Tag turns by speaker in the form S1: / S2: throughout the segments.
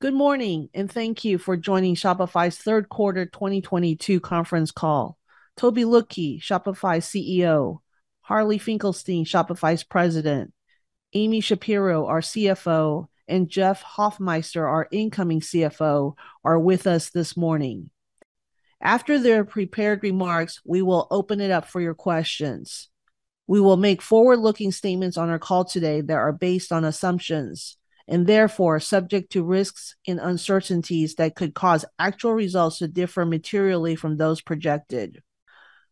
S1: Good morning, and thank you for joining Shopify's third quarter 2022 conference call. Tobi Lütke, Shopify's CEO, Harley Finkelstein, Shopify's President, Amy Shapero, our CFO, and Jeff Hoffmeister, our incoming CFO, are with us this morning. After their prepared remarks, we will open it up for your questions. We will make forward-looking statements on our call today that are based on assumptions, and therefore subject to risks and uncertainties that could cause actual results to differ materially from those projected.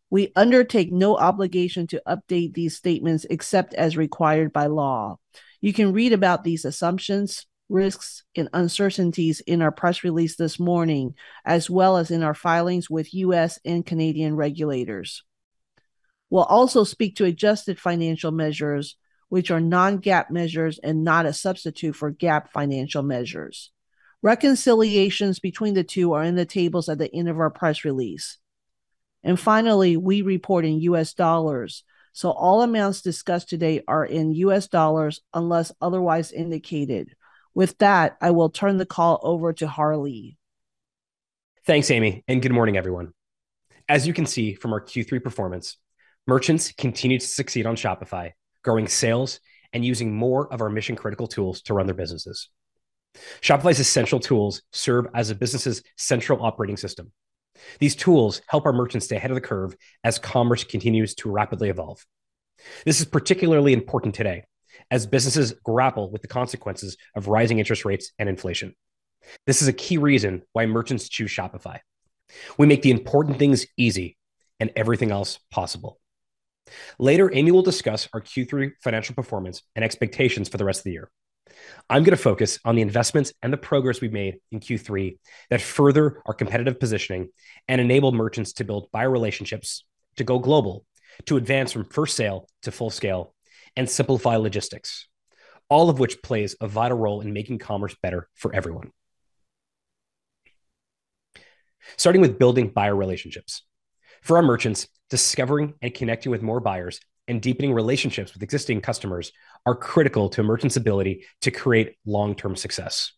S1: We undertake no obligation to update these statements except as required by law. You can read about these assumptions, risks, and uncertainties in our press release this morning, as well as in our filings with U.S. and Canadian regulators. We'll also speak to adjusted financial measures, which are non-GAAP measures and not a substitute for GAAP financial measures. Reconciliations between the two are in the tables at the end of our press release. Finally, we report in U.S. dollars. All amounts discussed today are in U.S. dollars unless otherwise indicated. With that, I will turn the call over to Harley.
S2: Thanks, Amy, and good morning, everyone. As you can see from our Q3 performance, merchants continue to succeed on Shopify, growing sales and using more of our mission-critical tools to run their businesses. Shopify's essential tools serve as a business's central operating system. These tools help our merchants stay ahead of the curve as commerce continues to rapidly evolve. This is particularly important today as businesses grapple with the consequences of rising interest rates and inflation. This is a key reason why merchants choose Shopify. We make the important things easy and everything else possible. Later, Amy will discuss our Q3 financial performance and expectations for the rest of the year. I'm going to focus on the investments and the progress we've made in Q3 that further our competitive positioning and enable merchants to build buyer relationships, to go global, to advance from first sale to full scale, and simplify logistics, all of which plays a vital role in making commerce better for everyone. Starting with building buyer relationships. For our merchants, discovering and connecting with more buyers and deepening relationships with existing customers are critical to a merchant's ability to create long-term success.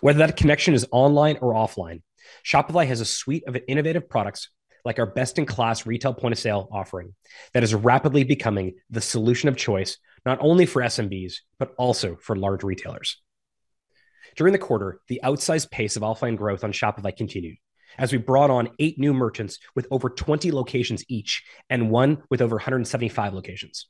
S2: Whether that connection is online or offline, Shopify has a suite of innovative products like our best-in-class retail point-of-sale offering that is rapidly becoming the solution of choice not only for SMBs, but also for large retailers. During the quarter, the outsized pace of offline growth on Shopify continued as we brought on eight new merchants with over 20 locations each and one with over 175 locations.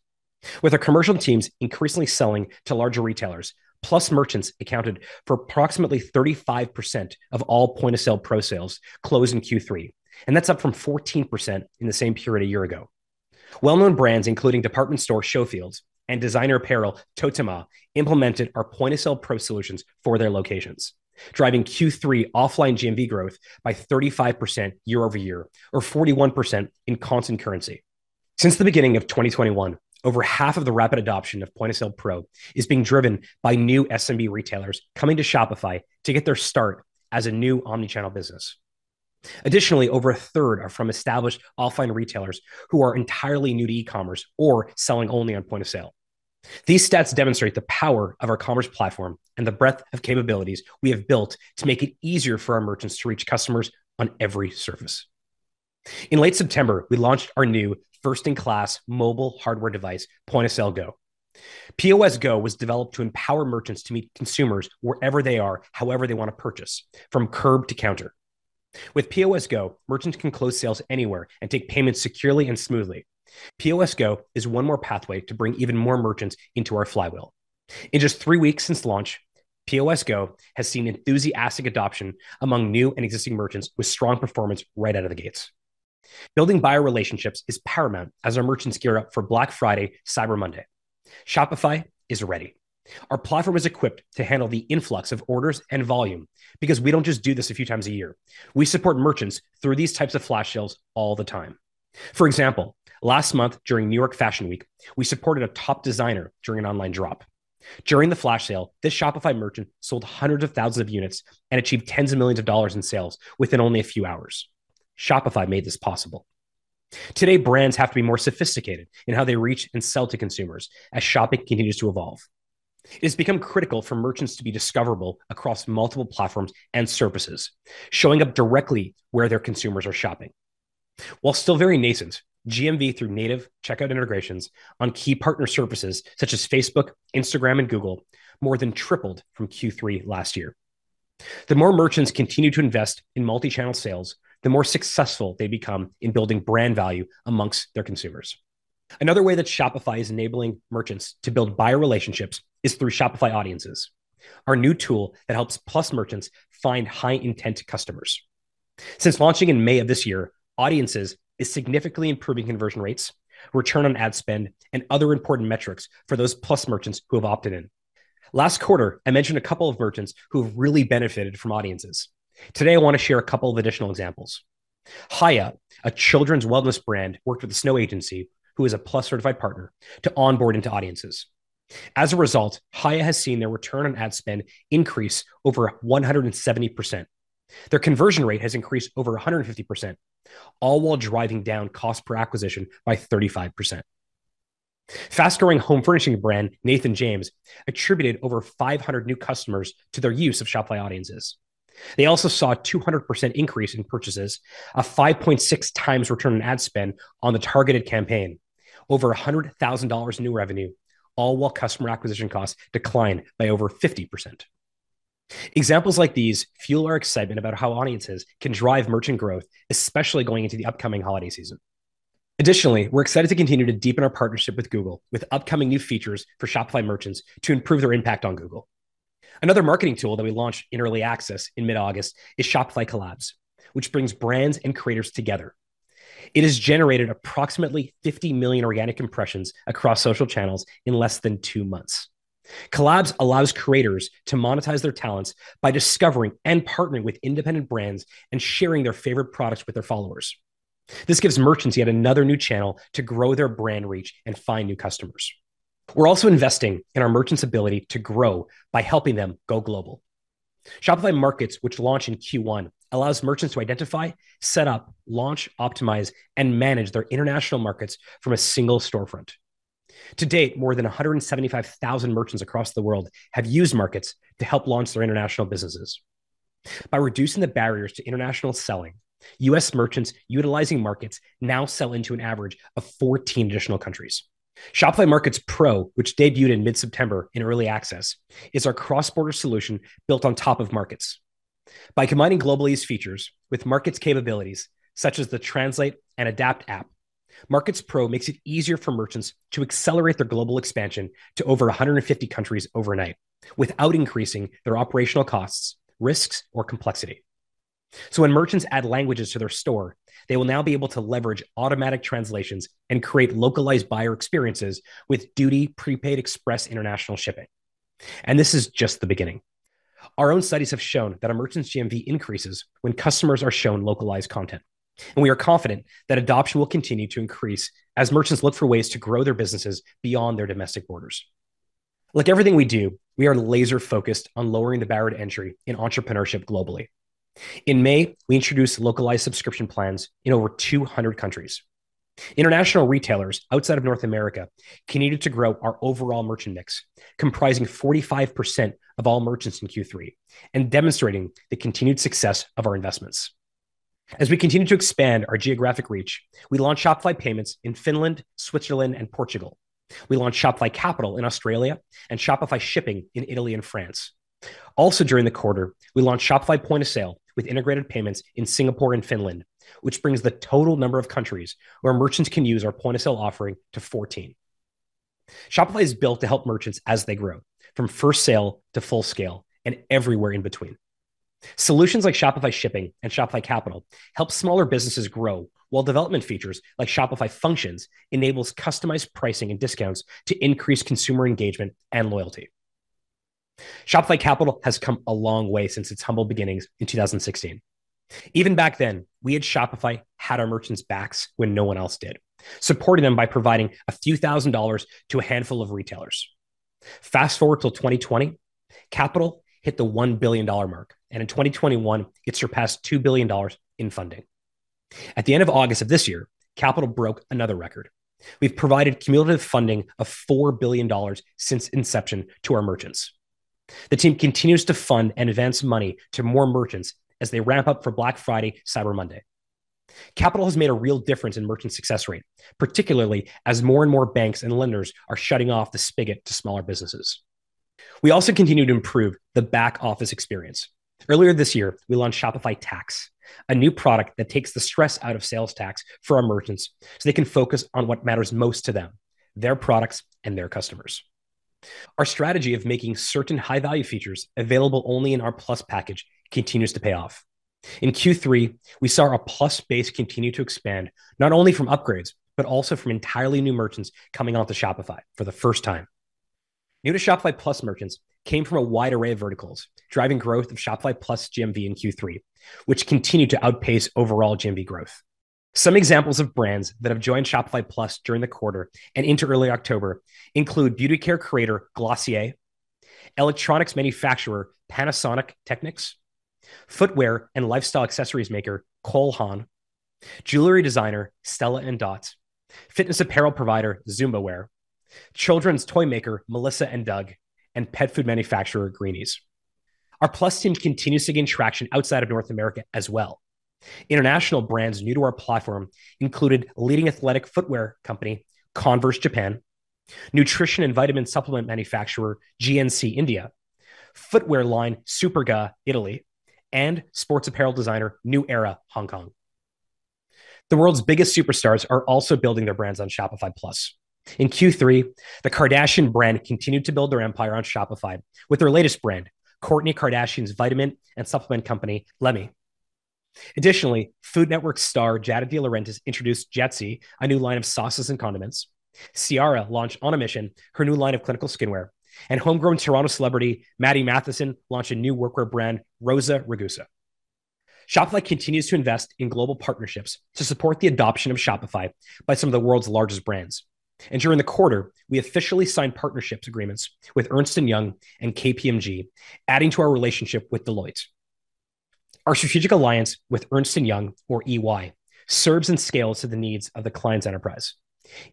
S2: With our commercial teams increasingly selling to larger retailers, Plus merchants accounted for approximately 35% of all Point of Sale Pro sales closed in Q3, and that's up from 14% in the same period a year ago. Well-known brands, including department store Schofields and designer apparel TOTOME, implemented our Point of Sale Pro solutions for their locations, driving Q3 offline GMV growth by 35% year-over-year or 41% in constant currency. Since the beginning of 2021, over half of the rapid adoption of Point of Sale Pro is being driven by new SMB retailers coming to Shopify to get their start as a new omnichannel business. Additionally, over a third are from established offline retailers who are entirely new to e-commerce or selling only on point of sale. These stats demonstrate the power of our commerce platform and the breadth of capabilities we have built to make it easier for our merchants to reach customers on every surface. In late September, we launched our new first-in-class mobile hardware device, Point of Sale Go. POS Go was developed to empower merchants to meet consumers wherever they are, however they want to purchase, from curb to counter. With POS Go, merchants can close sales anywhere and take payments securely and smoothly. POS Go is one more pathway to bring even more merchants into our flywheel. In just three weeks since launch, POS Go has seen enthusiastic adoption among new and existing merchants with strong performance right out of the gates. Building buyer relationships is paramount as our merchants gear up for Black Friday, Cyber Monday. Shopify is ready. Our platform is equipped to handle the influx of orders and volume because we don't just do this a few times a year. We support merchants through these types of flash sales all the time. For example, last month during New York Fashion Week, we supported a top designer during an online drop. During the flash sale, this Shopify merchant sold hundreds of thousands of units and achieved $10s of millions in sales within only a few hours. Shopify made this possible. Today, brands have to be more sophisticated in how they reach and sell to consumers as shopping continues to evolve. It has become critical for merchants to be discoverable across multiple platforms and services, showing up directly where their consumers are shopping. While still very nascent, GMV through native checkout integrations on key partner services such as Facebook, Instagram, and Google more than tripled from Q3 last year. The more merchants continue to invest in multi-channel sales, the more successful they become in building brand value among their consumers. Another way that Shopify is enabling merchants to build buyer relationships is through Shopify Audiences, our new tool that helps Plus merchants find high-intent customers. Since launching in May of this year, Audiences is significantly improving conversion rates, return on ad spend, and other important metrics for those Plus merchants who have opted in. Last quarter, I mentioned a couple of merchants who have really benefited from Audiences. Today, I want to share a couple of additional examples. Hiya, a children's wellness brand, worked with the Snow Agency, who is a Plus certified partner, to onboard into Audiences. As a result, Hiya has seen their return on ad spend increase over 170%. Their conversion rate has increased over 150%, all while driving down cost per acquisition by 35%. Fast-growing home furnishing brand Nathan James attributed over 500 new customers to their use of Shopify Audiences. They also saw a 200% increase in purchases, a 5.6x return on ad spend on the targeted campaign, over $100,000 in new revenue, all while customer acquisition costs declined by over 50%. Examples like these fuel our excitement about how Audiences can drive merchant growth, especially going into the upcoming holiday season. Additionally, we're excited to continue to deepen our partnership with Google with upcoming new features for Shopify merchants to improve their impact on Google. Another marketing tool that we launched in early access in mid-August is Shopify Collabs, which brings brands and creators together. It has generated approximately 50 million organic impressions across social channels in less than two months. Collabs allows creators to monetize their talents by discovering and partnering with independent brands and sharing their favorite products with their followers. This gives merchants yet another new channel to grow their brand reach and find new customers. We're also investing in our merchants' ability to grow by helping them go global. Shopify Markets, which launched in Q1, allows merchants to identify, set up, launch, optimize, and manage their international markets from a single storefront. To date, more than 175,000 merchants across the world have used Markets to help launch their international businesses. By reducing the barriers to international selling, U.S. merchants utilizing Markets now sell into an average of 14 additional countries. Shopify Markets Pro, which debuted in mid-September in early access, is our cross-border solution built on top of Markets. By combining global ease features with Markets capabilities, such as the Translate & Adapt app, Markets Pro makes it easier for merchants to accelerate their global expansion to over 150 countries overnight without increasing their operational costs, risks, or complexity. When merchants add languages to their store, they will now be able to leverage automatic translations and create localized buyer experiences with duty prepaid express international shipping. This is just the beginning. Our own studies have shown that a merchant's GMV increases when customers are shown localized content, and we are confident that adoption will continue to increase as merchants look for ways to grow their businesses beyond their domestic borders. Like everything we do, we are laser-focused on lowering the barrier to entry in entrepreneurship globally. In May, we introduced localized subscription plans in over 200 countries. International retailers outside of North America continued to grow our overall merchant mix, comprising 45% of all merchants in Q3 and demonstrating the continued success of our investments. As we continue to expand our geographic reach, we launched Shopify Payments in Finland, Switzerland, and Portugal. We launched Shopify Capital in Australia and Shopify Shipping in Italy and France. During the quarter, we launched Shopify Point of Sale with integrated payments in Singapore and Finland, which brings the total number of countries where merchants can use our point-of-sale offering to 14. Shopify is built to help merchants as they grow, from first sale to full scale, and everywhere in between. Solutions like Shopify Shipping and Shopify Capital help smaller businesses grow, while development features like Shopify Functions enables customized pricing and discounts to increase consumer engagement and loyalty. Shopify Capital has come a long way since its humble beginnings in 2016. Even back then, we at Shopify had our merchants' backs when no one else did, supporting them by providing a few thousand dollars to a handful of retailers. Fast-forward till 2020, Capital hit the $1 billion mark, and in 2021, it surpassed $2 billion in funding. At the end of August of this year, Capital broke another record. We've provided cumulative funding of $4 billion since inception to our merchants. The team continues to fund and advance money to more merchants as they ramp up for Black Friday, Cyber Monday. Capital has made a real difference in merchant success rate, particularly as more and more banks and lenders are shutting off the spigot to smaller businesses. We also continue to improve the back-office experience. Earlier this year, we launched Shopify Tax, a new product that takes the stress out of sales tax for our merchants so they can focus on what matters most to them, their products and their customers. Our strategy of making certain high-value features available only in our Plus package continues to pay off. In Q3, we saw our Plus base continue to expand, not only from upgrades, but also from entirely new merchants coming onto Shopify for the first time. New to Shopify Plus merchants came from a wide array of verticals, driving growth of Shopify Plus GMV in Q3, which continued to outpace overall GMV growth. Some examples of brands that have joined Shopify Plus during the quarter and into early October include beauty care creator Glossier, electronics manufacturer Panasonic Technics, footwear and lifestyle accessories maker Cole Haan, jewelry designer Stella & Dot, fitness apparel provider Zumba Wear, children's toy maker Melissa & Doug, and pet food manufacturer Greenies. Our Plus team continues to gain traction outside of North America as well. International brands new to our platform included leading athletic footwear company Converse Japan, nutrition and vitamin supplement manufacturer GNC India, footwear line Superga Italy, and sports apparel designer New Era Hong Kong. The world's biggest superstars are also building their brands on Shopify Plus. In Q3, the Kardashian brand continued to build their empire on Shopify with their latest brand, Kourtney Kardashian Barker's vitamin and supplement company, Lemme. Additionally, Food Network star Giada De Laurentiis introduced Giadzy, a new line of sauces and condiments. Ciara launched On a Mission, her new line of clinical skincare, and homegrown Toronto celebrity Matty Matheson launched a new workwear brand, Rosa Rugosa. Shopify continues to invest in global partnerships to support the adoption of Shopify by some of the world's largest brands. During the quarter, we officially signed partnership agreements with Ernst & Young and KPMG, adding to our relationship with Deloitte. Our strategic alliance with Ernst & Young, or EY, serves and scales to the needs of the client's enterprise.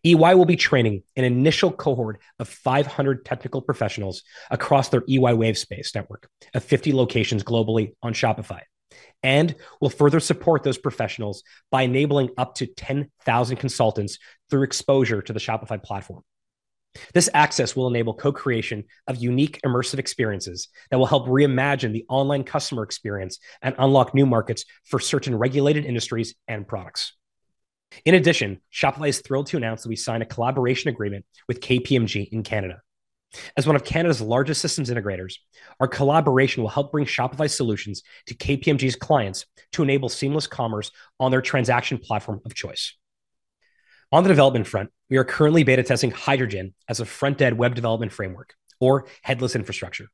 S2: EY will be training an initial cohort of 500 technical professionals across their EY wavespace network of 50 locations globally on Shopify and will further support those professionals by enabling up to 10,000 consultants through exposure to the Shopify platform. This access will enable co-creation of unique immersive experiences that will help reimagine the online customer experience and unlock new markets for certain regulated industries and products. In addition, Shopify is thrilled to announce that we signed a collaboration agreement with KPMG in Canada. As one of Canada's largest systems integrators, our collaboration will help bring Shopify solutions to KPMG's clients to enable seamless commerce on their transaction platform of choice. On the development front, we are currently beta testing Hydrogen as a front-end web development framework or headless infrastructure.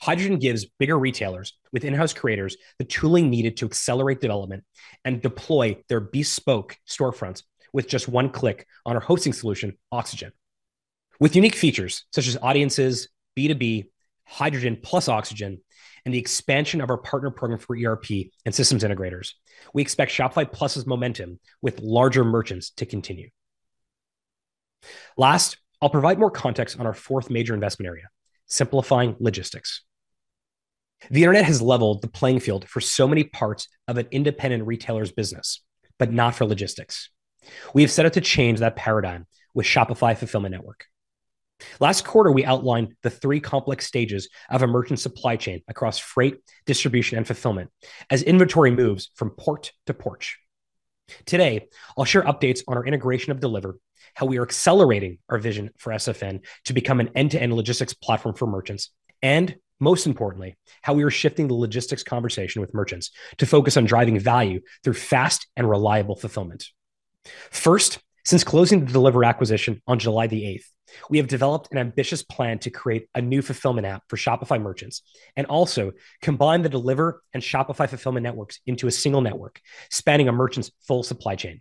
S2: Hydrogen gives bigger retailers with in-house creators the tooling needed to accelerate development and deploy their bespoke storefronts with just one click on our hosting solution, Oxygen. With unique features such as Audiences, B2B, Hydrogen plus Oxygen, and the expansion of our partner program for ERP and systems integrators, we expect Shopify Plus's momentum with larger merchants to continue. Last, I'll provide more context on our fourth major investment area, simplifying logistics. The Internet has leveled the playing field for so many parts of an independent retailer's business, but not for logistics. We have set out to change that paradigm with Shopify Fulfillment Network. Last quarter, we outlined the three complex stages of a merchant supply chain across freight, distribution, and fulfillment as inventory moves from port to porch. Today, I'll share updates on our integration of Deliverr, how we are accelerating our vision for SFN to become an end-to-end logistics platform for merchants, and most importantly, how we are shifting the logistics conversation with merchants to focus on driving value through fast and reliable fulfillment. First, since closing the Deliverr acquisition on July 8, we have developed an ambitious plan to create a new fulfillment app for Shopify merchants and also combine the Deliverr and Shopify Fulfillment Networks into a single network, spanning a merchant's full supply chain.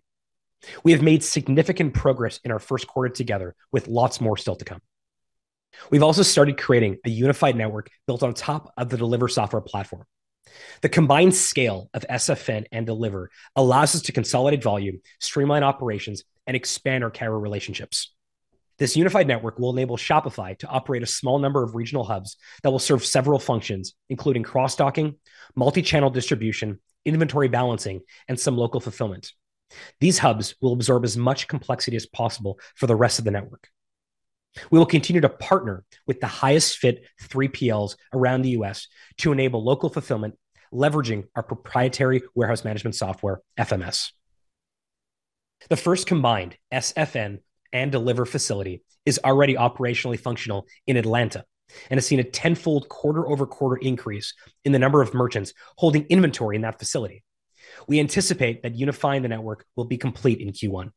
S2: We have made significant progress in our first quarter together with lots more still to come. We've also started creating a unified network built on top of the Deliverr software platform. The combined scale of SFN and Deliverr allows us to consolidate volume, streamline operations, and expand our carrier relationships. This unified network will enable Shopify to operate a small number of regional hubs that will serve several functions, including cross-docking, multi-channel distribution, inventory balancing, and some local fulfillment. These hubs will absorb as much complexity as possible for the rest of the network. We will continue to partner with the highest fit 3PLs around the U.S. to enable local fulfillment, leveraging our proprietary warehouse management software, FMS. The first combined SFN and Deliverr facility is already operationally functional in Atlanta and has seen a tenfold quarter-over-quarter increase in the number of merchants holding inventory in that facility. We anticipate that unifying the network will be complete in Q1.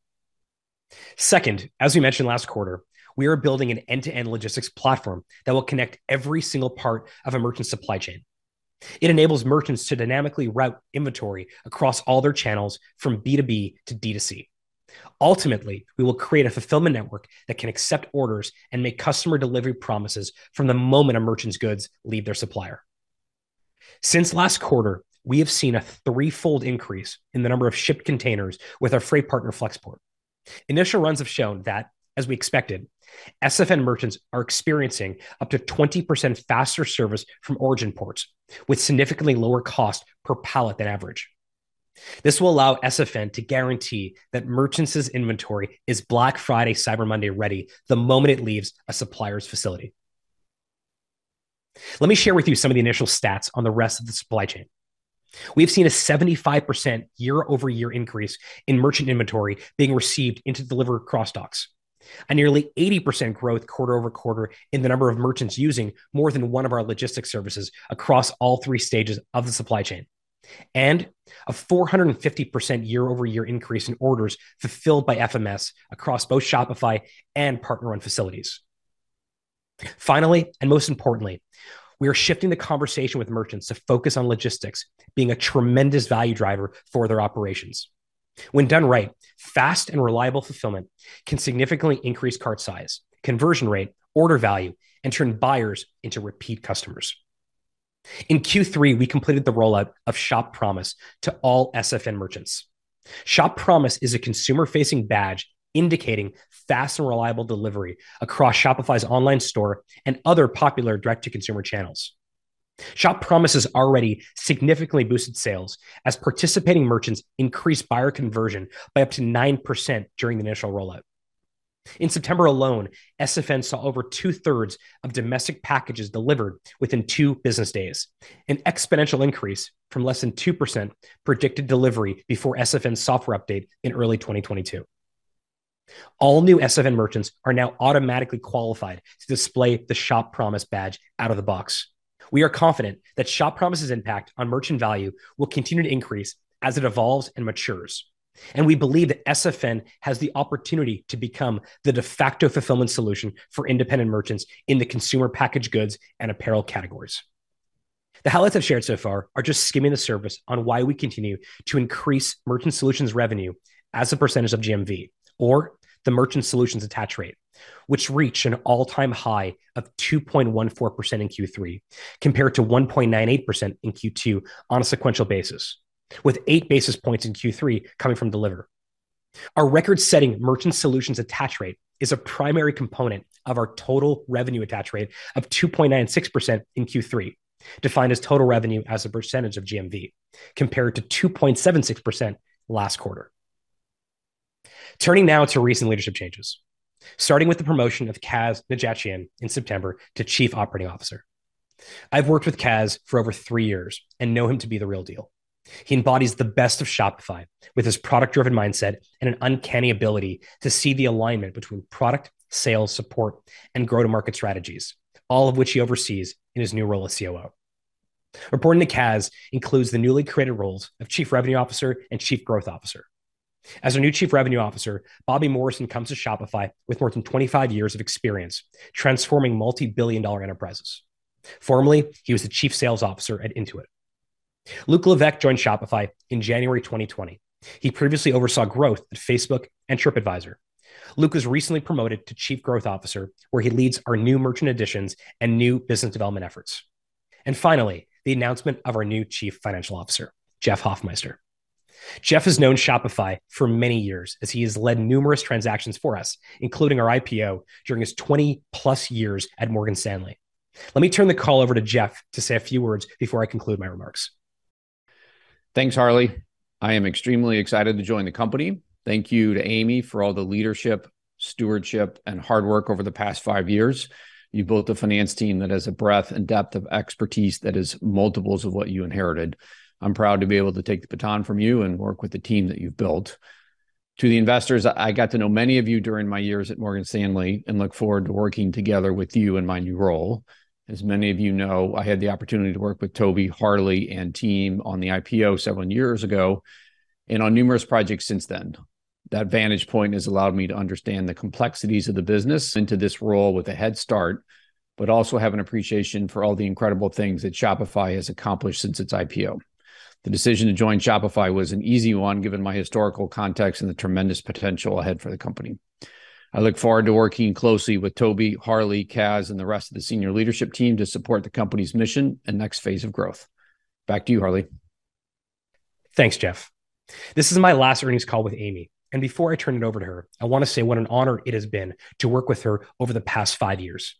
S2: Second, as we mentioned last quarter, we are building an end-to-end logistics platform that will connect every single part of a merchant supply chain. It enables merchants to dynamically route inventory across all their channels from B2B to D2C. Ultimately, we will create a fulfillment network that can accept orders and make customer delivery promises from the moment a merchant's goods leave their supplier. Since last quarter, we have seen a threefold increase in the number of shipped containers with our freight partner, Flexport. Initial runs have shown that, as we expected, SFN merchants are experiencing up to 20% faster service from origin ports with significantly lower cost per pallet than average. This will allow SFN to guarantee that merchants' inventory is Black Friday, Cyber Monday ready the moment it leaves a supplier's facility. Let me share with you some of the initial stats on the rest of the supply chain. We have seen a 75% year-over-year increase in merchant inventory being received into Deliverr cross-docks, a nearly 80% growth quarter-over-quarter in the number of merchants using more than one of our logistics services across all three stages of the supply chain, and a 450% year-over-year increase in orders fulfilled by FMS across both Shopify and partner-run facilities. Finally, and most importantly, we are shifting the conversation with merchants to focus on logistics being a tremendous value driver for their operations. When done right, fast and reliable fulfillment can significantly increase cart size, conversion rate, order value, and turn buyers into repeat customers. In Q3, we completed the rollout of Shop Promise to all SFN merchants. Shop Promise is a consumer-facing badge indicating fast and reliable delivery across Shopify's online store and other popular direct-to-consumer channels. Shop Promise has already significantly boosted sales as participating merchants increased buyer conversion by up to 9% during the initial rollout. In September alone, SFN saw over two-thirds of domestic packages delivered within two business days, an exponential increase from less than 2% predicted delivery before SFN's software update in early 2022. All new SFN merchants are now automatically qualified to display the Shop Promise badge out of the box. We are confident that Shop Promise's impact on merchant value will continue to increase as it evolves and matures, and we believe that SFN has the opportunity to become the de facto fulfillment solution for independent merchants in the consumer packaged goods and apparel categories. The highlights I've shared so far are just skimming the surface on why we continue to increase merchant solutions revenue as a percentage of GMV or the merchant solutions attach rate, which reached an all-time high of 2.14% in Q3, compared to 1.98% in Q2 on a sequential basis, with 8 basis points in Q3 coming from Deliverr. Our record-setting merchant solutions attach rate is a primary component of our total revenue attach rate of 2.96% in Q3, defined as total revenue as a percentage of GMV, compared to 2.76% last quarter. Turning now to recent leadership changes, starting with the promotion of Kaz Nejatian in September to Chief Operating Officer. I've worked with Kaz Nejatian for over three years and know him to be the real deal. He embodies the best of Shopify with his product-driven mindset and an uncanny ability to see the alignment between product, sales, support, and go-to-market strategies, all of which he oversees in his new role as COO. Reporting to Kaz includes the newly created roles of Chief Revenue Officer and Chief Growth Officer. As our new Chief Revenue Officer, Bobby Morrison comes to Shopify with more than 25 years of experience transforming multi-billion-dollar enterprises. Formerly, he was the Chief Sales Officer at Intuit. Luc Levesque joined Shopify in January 2020. He previously oversaw growth at Facebook and Tripadvisor. Luc Levesque was recently promoted to Chief Growth Officer, where he leads our new merchant additions and new business development efforts. Finally, the announcement of our new Chief Financial Officer, Jeff Hoffmeister. Jeff has known Shopify for many years as he has led numerous transactions for us, including our IPO during his 20+ years at Morgan Stanley. Let me turn the call over to Jeff to say a few words before I conclude my remarks.
S3: Thanks, Harley. I am extremely excited to join the company. Thank you to Amy for all the leadership, stewardship, and hard work over the past five years. You built a finance team that has a breadth and depth of expertise that is multiples of what you inherited. I'm proud to be able to take the baton from you and work with the team that you've built. To the investors, I got to know many of you during my years at Morgan Stanley and look forward to working together with you in my new role. As many of you know, I had the opportunity to work with Tobi, Harley, and team on the IPO several years ago and on numerous projects since then. That vantage point has allowed me to understand the complexities of the business and to this role with a head start, but also have an appreciation for all the incredible things that Shopify has accomplished since its IPO. The decision to join Shopify was an easy one, given my historical context and the tremendous potential ahead for the company. I look forward to working closely with Tobi, Harley, Kaz, and the rest of the senior leadership team to support the company's mission and next phase of growth. Back to you, Harley.
S2: Thanks, Jeff. This is my last earnings call with Amy, and before I turn it over to her, I want to say what an honor it has been to work with her over the past five years.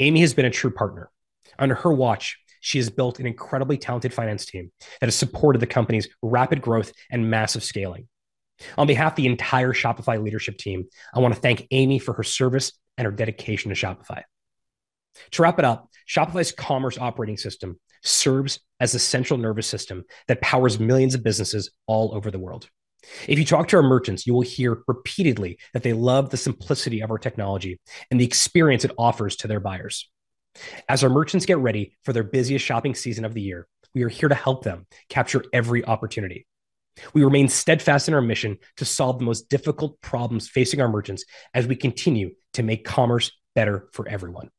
S2: Amy has been a true partner. Under her watch, she has built an incredibly talented finance team that has supported the company's rapid growth and massive scaling. On behalf of the entire Shopify leadership team, I want to thank Amy for her service and her dedication to Shopify. To wrap it up, Shopify's commerce operating system serves as the central nervous system that powers millions of businesses all over the world. If you talk to our merchants, you will hear repeatedly that they love the simplicity of our technology and the experience it offers to their buyers. As our merchants get ready for their busiest shopping season of the year, we are here to help them capture every opportunity. We remain steadfast in our mission to solve the most difficult problems facing our merchants as we continue to make commerce better for everyone.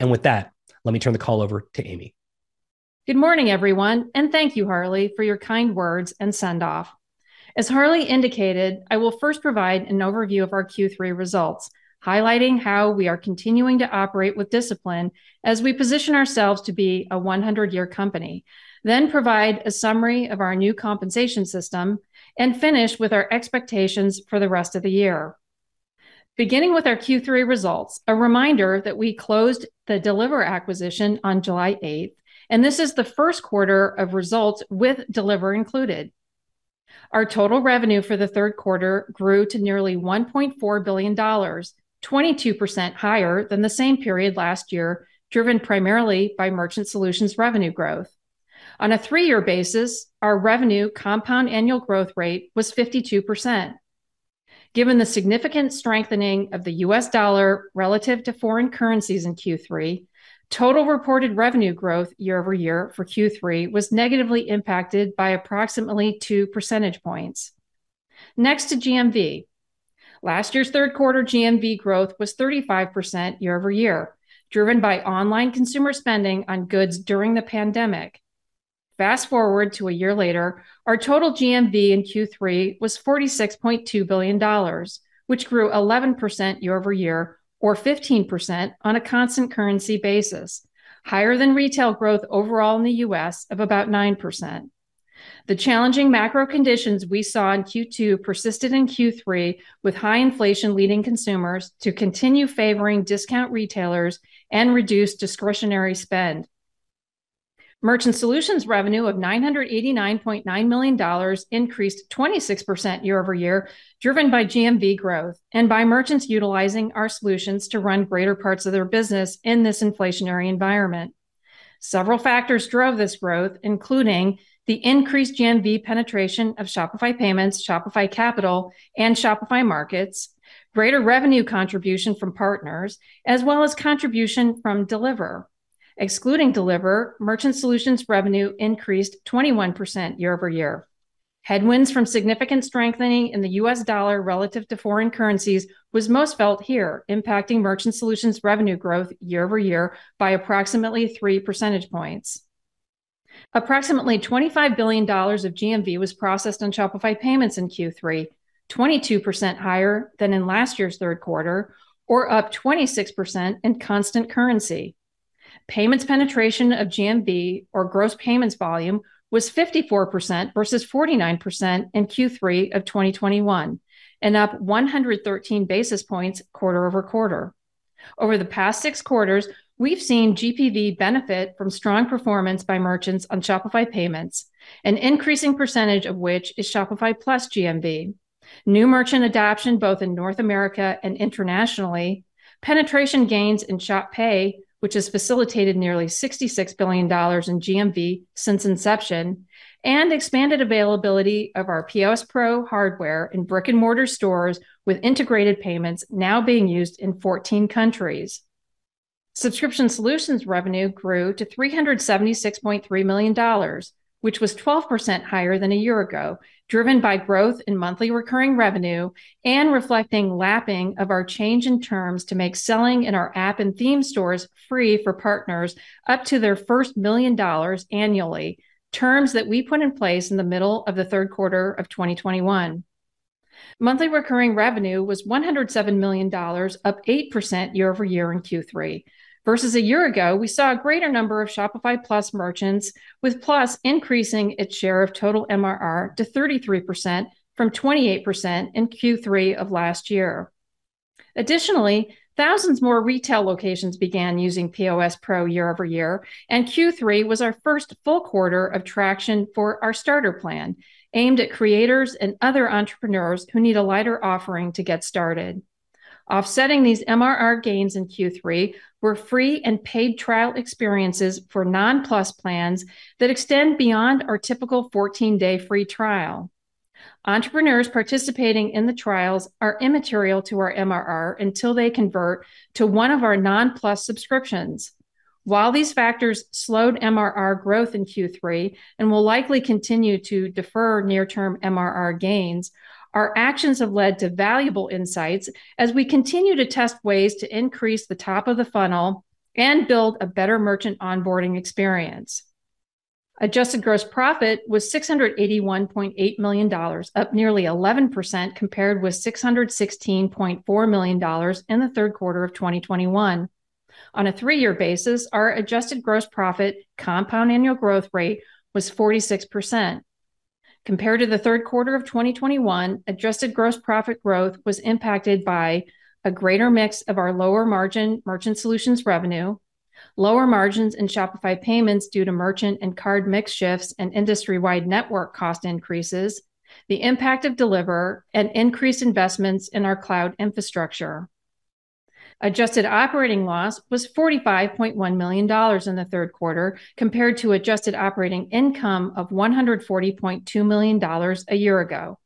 S2: With that, let me turn the call over to Amy.
S4: Good morning, everyone, and thank you, Harley, for your kind words and sendoff. As Harley indicated, I will first provide an overview of our Q3 results, highlighting how we are continuing to operate with discipline as we position ourselves to be a 100-year company, then provide a summary of our new compensation system and finish with our expectations for the rest of the year. Beginning with our Q3 results, a reminder that we closed the Deliverr acquisition on July 8, and this is the first quarter of results with Deliverr included. Our total revenue for the third quarter grew to nearly $1.4 billion, 22% higher than the same period last year, driven primarily by merchant solutions revenue growth. On a three-year basis, our revenue compound annual growth rate was 52%. Given the significant strengthening of the U.S. Dollar relative to foreign currencies in Q3, total reported revenue growth year-over-year for Q3 was negatively impacted by approximately two percentage points. Next to GMV. Last year's third quarter GMV growth was 35% year-over-year, driven by online consumer spending on goods during the pandemic. Fast-forward to a year later, our total GMV in Q3 was $46.2 billion, which grew 11% year-over-year or 15% on a constant currency basis, higher than retail growth overall in the U.S. of about 9%. The challenging macro conditions we saw in Q2 persisted in Q3, with high inflation leading consumers to continue favoring discount retailers and reduce discretionary spend. Merchant solutions revenue of $989.9 million increased 26% year-over-year, driven by GMV growth and by merchants utilizing our solutions to run greater parts of their business in this inflationary environment. Several factors drove this growth, including the increased GMV penetration of Shopify Payments, Shopify Capital, and Shopify Markets, greater revenue contribution from partners, as well as contribution from Deliverr. Excluding Deliverr, merchant solutions revenue increased 21% year-over-year. Headwinds from significant strengthening in the U.S. dollar relative to foreign currencies was most felt here, impacting merchant solutions revenue growth year-over-year by approximately three percentage points. Approximately $25 billion of GMV was processed on Shopify Payments in Q3, 22% higher than in last year's third quarter or up 26% in constant currency. Payments penetration of GMV or gross payments volume was 54% versus 49% in Q3 of 2021, and up 113 basis points quarter-over-quarter. Over the past six quarters, we've seen GPV benefit from strong performance by merchants on Shopify Payments, an increasing percentage of which is Shopify Plus GMV. New merchant adoption, both in North America and internationally, penetration gains in Shop Pay, which has facilitated nearly $66 billion in GMV since inception, and expanded availability of our POS Pro hardware in brick-and-mortar stores with integrated payments now being used in 14 countries. Subscription solutions revenue grew to $376.3 million, which was 12% higher than a year ago, driven by growth in monthly recurring revenue and reflecting lapping of our change in terms to make selling in our app and theme stores free for partners up to their first $1 million annually, terms that we put in place in the middle of the third quarter of 2021. Monthly recurring revenue was $107 million, up 8% year-over-year in Q3. Versus a year ago, we saw a greater number of Shopify Plus merchants, with Plus increasing its share of total MRR to 33% from 28% in Q3 of last year. Additionally, thousands more retail locations began using POS Pro year-over-year, and Q3 was our first full quarter of traction for our starter plan, aimed at creators and other entrepreneurs who need a lighter offering to get started. Offsetting these MRR gains in Q3 were free and paid trial experiences for non-Plus plans that extend beyond our typical 14-day free trial. Entrepreneurs participating in the trials are immaterial to our MRR until they convert to one of our non-Plus subscriptions. While these factors slowed MRR growth in Q3 and will likely continue to defer near-term MRR gains, our actions have led to valuable insights as we continue to test ways to increase the top of the funnel and build a better merchant onboarding experience. Adjusted gross profit was $681.8 million, up nearly 11% compared with $616.4 million in the third quarter of 2021. On a three-year basis, our adjusted gross profit compound annual growth rate was 46%. Compared to the third quarter of 2021, adjusted gross profit growth was impacted by a greater mix of our lower-margin merchant solutions revenue, lower margins in Shopify Payments due to merchant and card mix shifts and industry-wide network cost increases, the impact of Deliverr, and increased investments in our cloud infrastructure. Adjusted operating loss was $45.1 million in the third quarter compared to adjusted operating income of $140.2 million a year ago.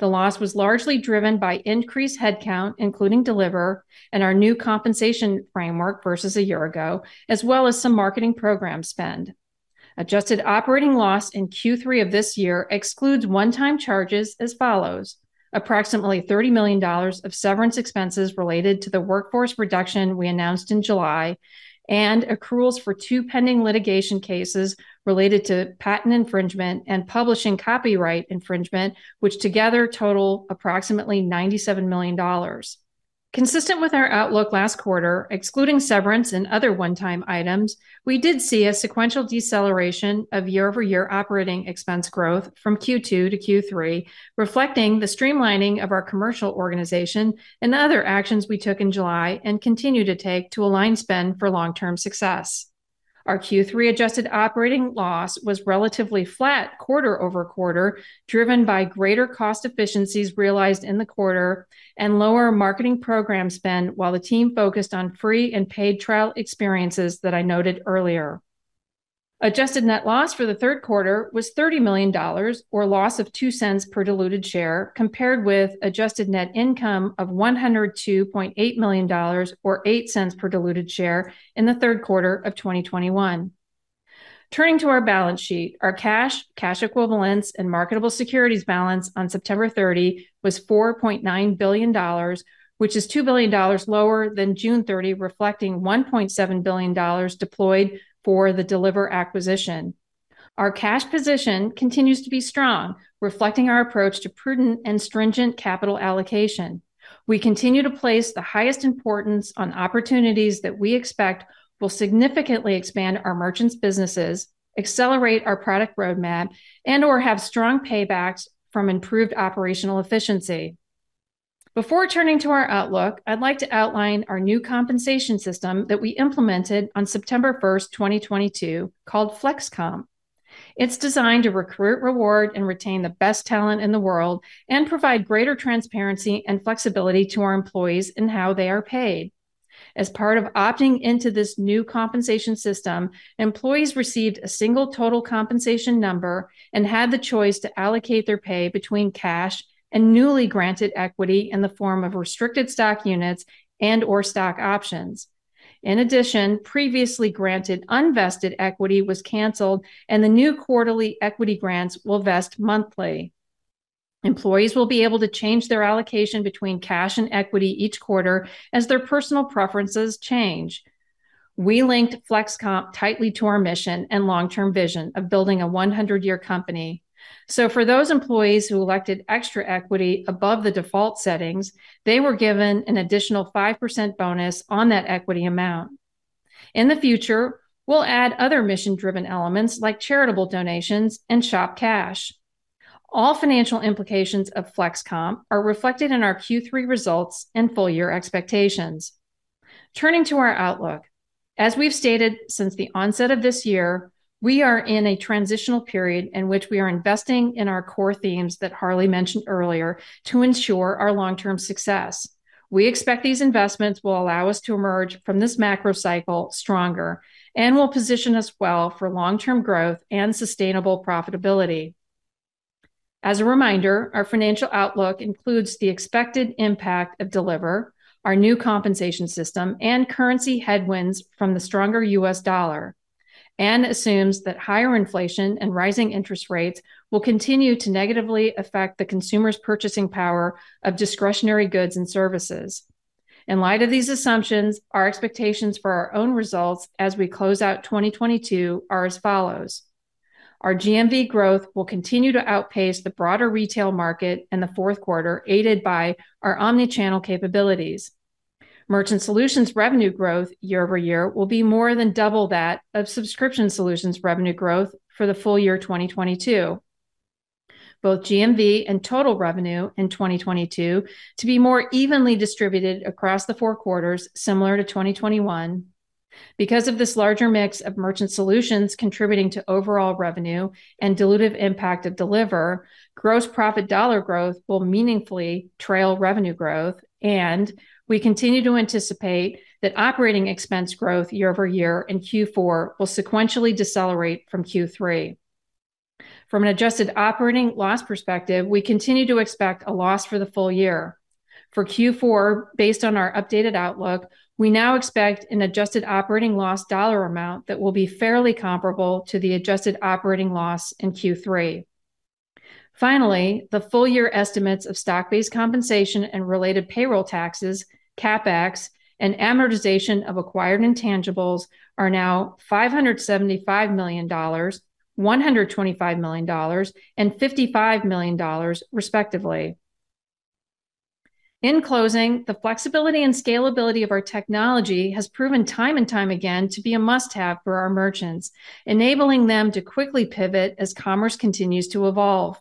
S4: The loss was largely driven by increased headcount, including Deliverr, and our new compensation framework versus a year ago, as well as some marketing program spend. Adjusted operating loss in Q3 of this year excludes one-time charges as follows. Approximately $30 million of severance expenses related to the workforce reduction we announced in July, and accruals for two pending litigation cases related to patent infringement and publishing copyright infringement, which together total approximately $97 million. Consistent with our outlook last quarter, excluding severance and other one-time items, we did see a sequential deceleration of year-over-year operating expense growth from Q2-Q3, reflecting the streamlining of our commercial organization and other actions we took in July and continue to take to align spend for long-term success. Our Q3 adjusted operating loss was relatively flat quarter-over-quarter, driven by greater cost efficiencies realized in the quarter and lower marketing program spend while the team focused on free and paid trial experiences that I noted earlier. Adjusted net loss for the third quarter was $30 million or loss of 2 cents per diluted share, compared with adjusted net income of $102.8 million or 8 cents per diluted share in the third quarter of 2021. Turning to our balance sheet, our cash equivalents, and marketable securities balance on September 30 was $4.9 billion, which is $2 billion lower than June 30, reflecting $1.7 billion deployed for the Deliverr acquisition. Our cash position continues to be strong, reflecting our approach to prudent and stringent capital allocation. We continue to place the highest importance on opportunities that we expect will significantly expand our merchants' businesses, accelerate our product roadmap, and/or have strong paybacks from improved operational efficiency. Before turning to our outlook, I'd like to outline our new compensation system that we implemented on September first, 2022, called Flex Comp. It's designed to recruit, reward, and retain the best talent in the world and provide greater transparency and flexibility to our employees in how they are paid. As part of opting into this new compensation system, employees received a single total compensation number and had the choice to allocate their pay between cash and newly granted equity in the form of restricted stock units and/or stock options. In addition, previously granted unvested equity was canceled, and the new quarterly equity grants will vest monthly. Employees will be able to change their allocation between cash and equity each quarter as their personal preferences change. We linked Flex Comp tightly to our mission and long-term vision of building a 100-year company. For those employees who elected extra equity above the default settings, they were given an additional 5% bonus on that equity amount. In the future, we'll add other mission-driven elements like charitable donations and Shop Cash. All financial implications of Flex Comp are reflected in our Q3 results and full-year expectations. Turning to our outlook, as we've stated since the onset of this year, we are in a transitional period in which we are investing in our core themes that Harley mentioned earlier to ensure our long-term success. We expect these investments will allow us to emerge from this macro cycle stronger and will position us well for long-term growth and sustainable profitability. As a reminder, our financial outlook includes the expected impact of Deliverr, our new compensation system, and currency headwinds from the stronger U.S. dollar, and assumes that higher inflation and rising interest rates will continue to negatively affect the consumer's purchasing power of discretionary goods and services. In light of these assumptions, our expectations for our own results as we close out 2022 are as follows. Our GMV growth will continue to outpace the broader retail market in the fourth quarter, aided by our omni-channel capabilities. Merchant Solutions revenue growth year-over-year will be more than double that of Subscription Solutions revenue growth for the full year 2022. Both GMV and total revenue in 2022 to be more evenly distributed across the four quarters, similar to 2021. Because of this larger mix of Merchant Solutions contributing to overall revenue and dilutive impact of Deliverr, gross profit dollar growth will meaningfully trail revenue growth. We continue to anticipate that operating expense growth year-over-year in Q4 will sequentially decelerate from Q3. From an adjusted operating loss perspective, we continue to expect a loss for the full year. For Q4, based on our updated outlook, we now expect an adjusted operating loss dollar amount that will be fairly comparable to the adjusted operating loss in Q3. Finally, the full year estimates of stock-based compensation and related payroll taxes, CapEx, and amortization of acquired intangibles are now $575 million, $125 million, and $55 million respectively. In closing, the flexibility and scalability of our technology has proven time and time again to be a must-have for our merchants, enabling them to quickly pivot as commerce continues to evolve.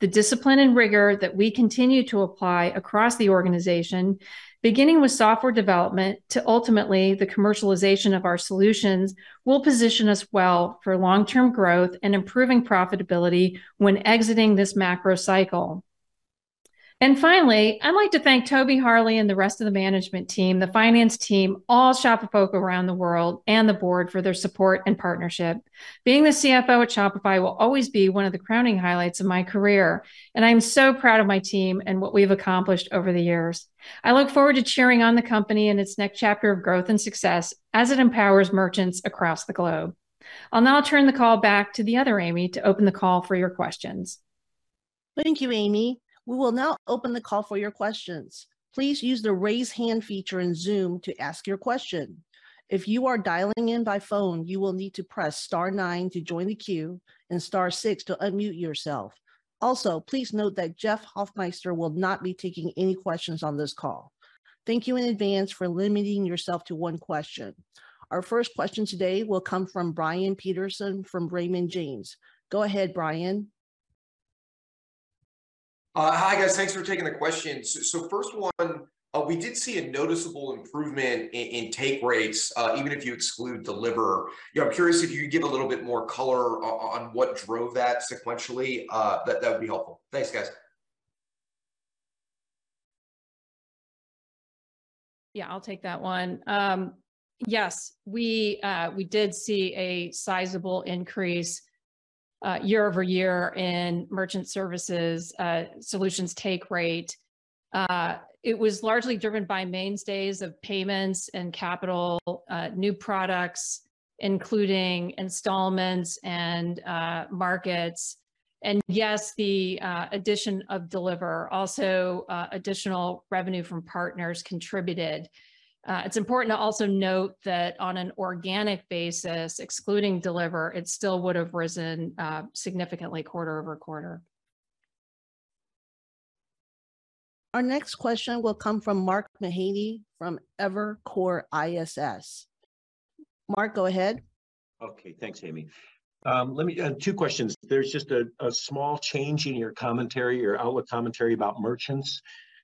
S4: The discipline and rigor that we continue to apply across the organization, beginning with software development to ultimately the commercialization of our solutions, will position us well for long-term growth and improving profitability when exiting this macro cycle. Finally, I'd like to thank Tobi, Harley, and the rest of the management team, the finance team, all Shopifolk around the world, and the board for their support and partnership. Being the CFO at Shopify will always be one of the crowning highlights of my career, and I am so proud of my team and what we've accomplished over the years. I look forward to cheering on the company in its next chapter of growth and success as it empowers merchants across the globe. I'll now turn the call back to the other Amy to open the call for your questions.
S1: Thank you, Amy. We will now open the call for your questions. Please use the Raise Hand feature in Zoom to ask your question. If you are dialing in by phone, you will need to press star nine to join the queue and star six to unmute yourself. Also, please note that Jeff Hoffmeister will not be taking any questions on this call. Thank you in advance for limiting yourself to one question. Our first question today will come from Brian Peterson from Raymond James. Go ahead, Brian.
S5: Hi, guys. Thanks for taking the questions. First one, we did see a noticeable improvement in take rates, even if you exclude Deliverr. You know, I'm curious if you could give a little bit more color on what drove that sequentially, that would be helpful. Thanks, guys.
S4: Yeah, I'll take that one. Yes, we did see a sizable increase year-over-year in Merchant Solutions take rate. It was largely driven by mainstays of payments and capital, new products, including installments and markets. Yes, the addition of Deliverr, also additional revenue from partners, contributed. It's important to also note that on an organic basis, excluding Deliverr, it still would have risen significantly quarter-over-quarter.
S1: Our next question will come from Mark Mahaney from Evercore ISI. Mark, go ahead.
S6: Okay. Thanks, Amy. Let me two questions. There's just a small change in your commentary, your outlook commentary about merchants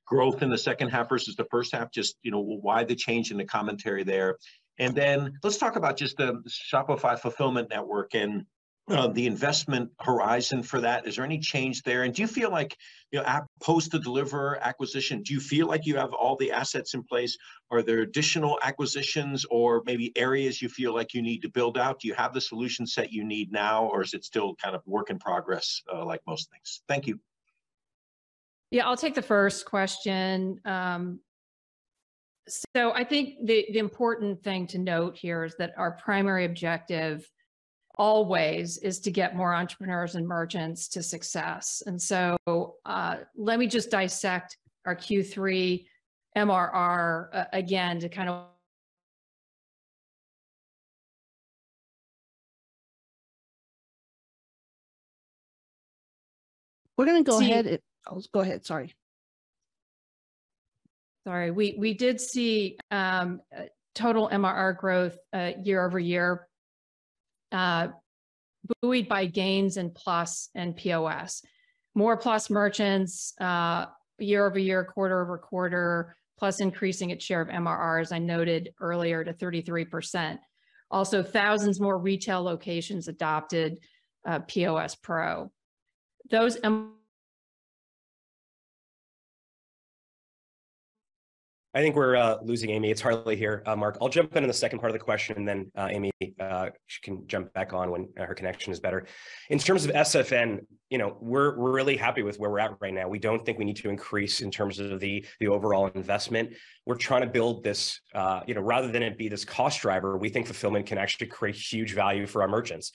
S6: growth in the second half versus the first half. You know, why the change in the commentary there? And then let's talk about just the Shopify Fulfillment Network and the investment horizon for that. Is there any change there? And do you feel like, you know, post the Deliverr acquisition, do you feel like you have all the assets in place? Are there additional acquisitions or maybe areas you feel like you need to build out? Do you have the solution set you need now, or is it still kind of work in progress, like most things? Thank you.
S4: Yeah, I'll take the first question. So I think the important thing to note here is that our primary objective always is to get more entrepreneurs and merchants to success. Let me just dissect our Q3 MRR again to kind of.
S1: Oh, go ahead, sorry.
S4: Sorry. We did see total MRR growth year-over-year, buoyed by gains in Plus and POS. More Plus merchants year-over-year, quarter-over-quarter, plus increasing its share of MRR, as I noted earlier, to 33%. Also, thousands more retail locations adopted POS Pro. Those MR-
S2: I think we're losing Amy. It's Harley here. Mark, I'll jump into the second part of the question then. Amy, she can jump back on when her connection is better. In terms of SFN, you know, we're really happy with where we're at right now. We don't think we need to increase in terms of the overall investment. We're trying to build this, you know, rather than it be this cost driver. We think fulfillment can actually create huge value for our merchants.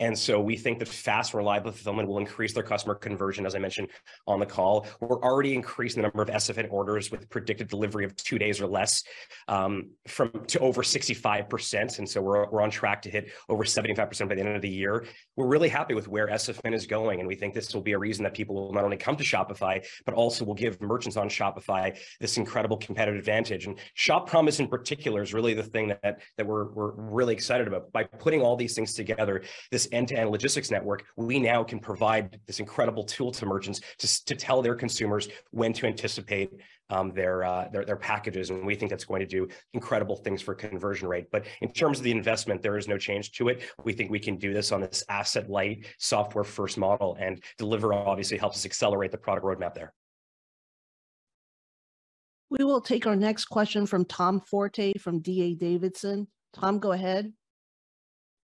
S2: We think the fast, reliable fulfillment will increase their customer conversion, as I mentioned on the call. We're already increasing the number of SFN orders with predicted delivery of two days or less to over 65%, and we're on track to hit over 75% by the end of the year. We're really happy with where SFN is going, and we think this will be a reason that people will not only come to Shopify, but also will give merchants on Shopify this incredible competitive advantage. Shop Promise in particular is really the thing that we're really excited about. By putting all these things together, this end-to-end logistics network, we now can provide this incredible tool to merchants to tell their consumers when to anticipate their packages, and we think that's going to do incredible things for conversion rate. In terms of the investment, there is no change to it. We think we can do this on this asset-light, software-first model, and Deliverr obviously helps us accelerate the product roadmap there.
S1: We will take our next question from Tom Forte from D.A. Davidson. Tom, go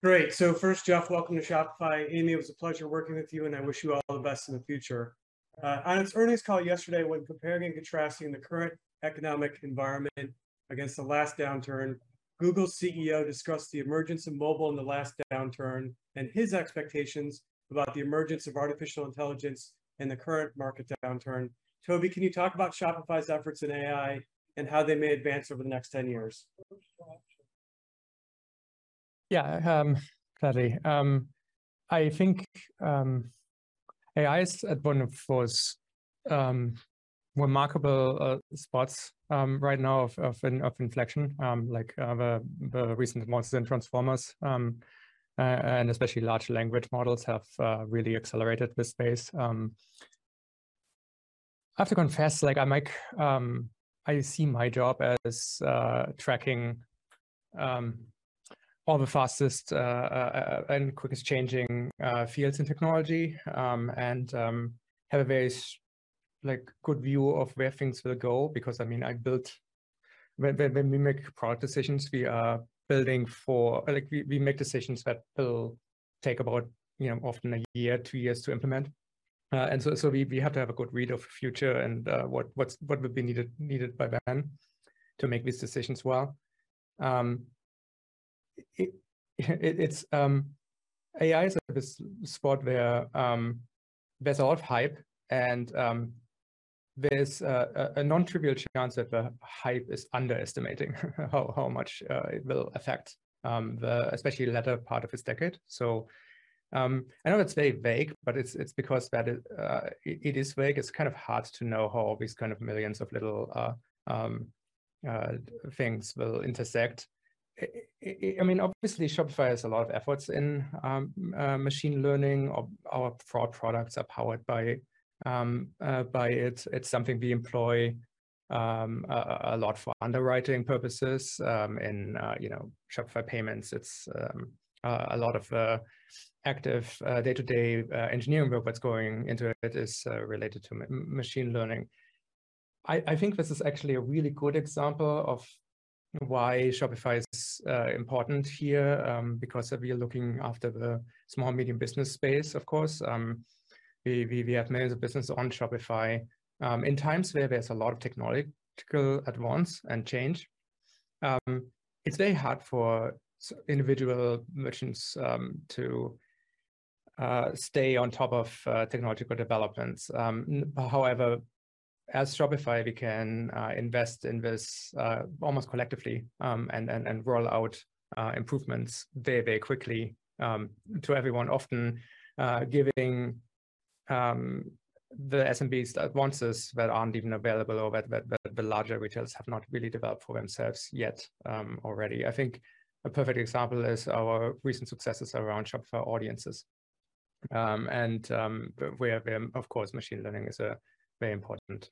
S1: ahead.
S7: Great. First, Jeff, welcome to Shopify. Amy, it was a pleasure working with you, and I wish you all the best in the future. On its earnings call yesterday, when comparing and contrasting the current economic environment against the last downturn, Google's CEO discussed the emergence of mobile in the last downturn and his expectations about the emergence of artificial intelligence in the current market downturn. Tobi Lütke, can you talk about Shopify's efforts in AI and how they may advance over the next 10 years?
S8: Yeah, gladly. I think AI is at one of those remarkable spots right now of an inflection. Like, the recent models in transformers and especially large language models have really accelerated this space. I have to confess, like, I see my job as tracking all the fastest and quickest changing fields in technology and have a very good view of where things will go because, I mean, when we make product decisions, we make decisions that will take about, you know, often a year, two years to implement. We have to have a good read of future and what would be needed by then to make these decisions well. AI is at this spot where there's a lot of hype and there's a non-trivial chance that the hype is underestimating how much it will affect the especially latter part of this decade. I know that's very vague, but it's because it is vague, it's kind of hard to know how all these kind of millions of little things will intersect. I mean, obviously Shopify has a lot of efforts in machine learning or our fraud products are powered by it. It's something we employ a lot for underwriting purposes, you know, in Shopify Payments. It's a lot of active day-to-day engineering work that's going into it is related to machine learning. I think this is actually a really good example of why Shopify is important here, because we are looking after the small-medium business space, of course. We have managed the business on Shopify. In times where there's a lot of technological advance and change, it's very hard for individual merchants to stay on top of technological developments. However, as Shopify, we can invest in this almost collectively and roll out improvements very quickly to everyone, often giving the SMBs advances that aren't even available or that the larger retailers have not really developed for themselves yet already. I think a perfect example is our recent successes around Shopify Audiences, where of course machine learning is a very important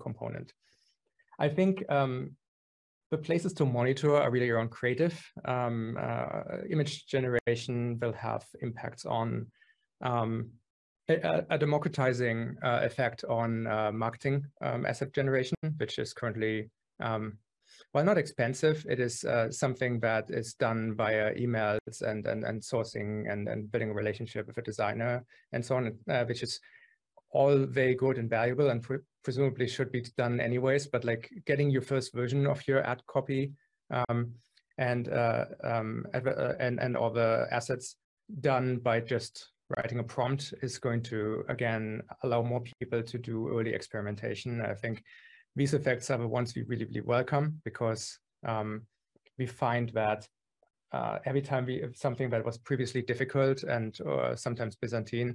S8: component. I think the places to monitor are really around creative image generation will have impacts on a democratizing effect on marketing asset generation, which is currently well, not expensive. It is something that is done via emails and sourcing and building a relationship with a designer and so on, which is all very good and valuable and presumably should be done anyways. Like, getting your first version of your ad copy and all the assets done by just writing a prompt is going to, again, allow more people to do early experimentation. I think these effects are the ones we really, really welcome because we find that- Every time we have something that was previously difficult and sometimes byzantine,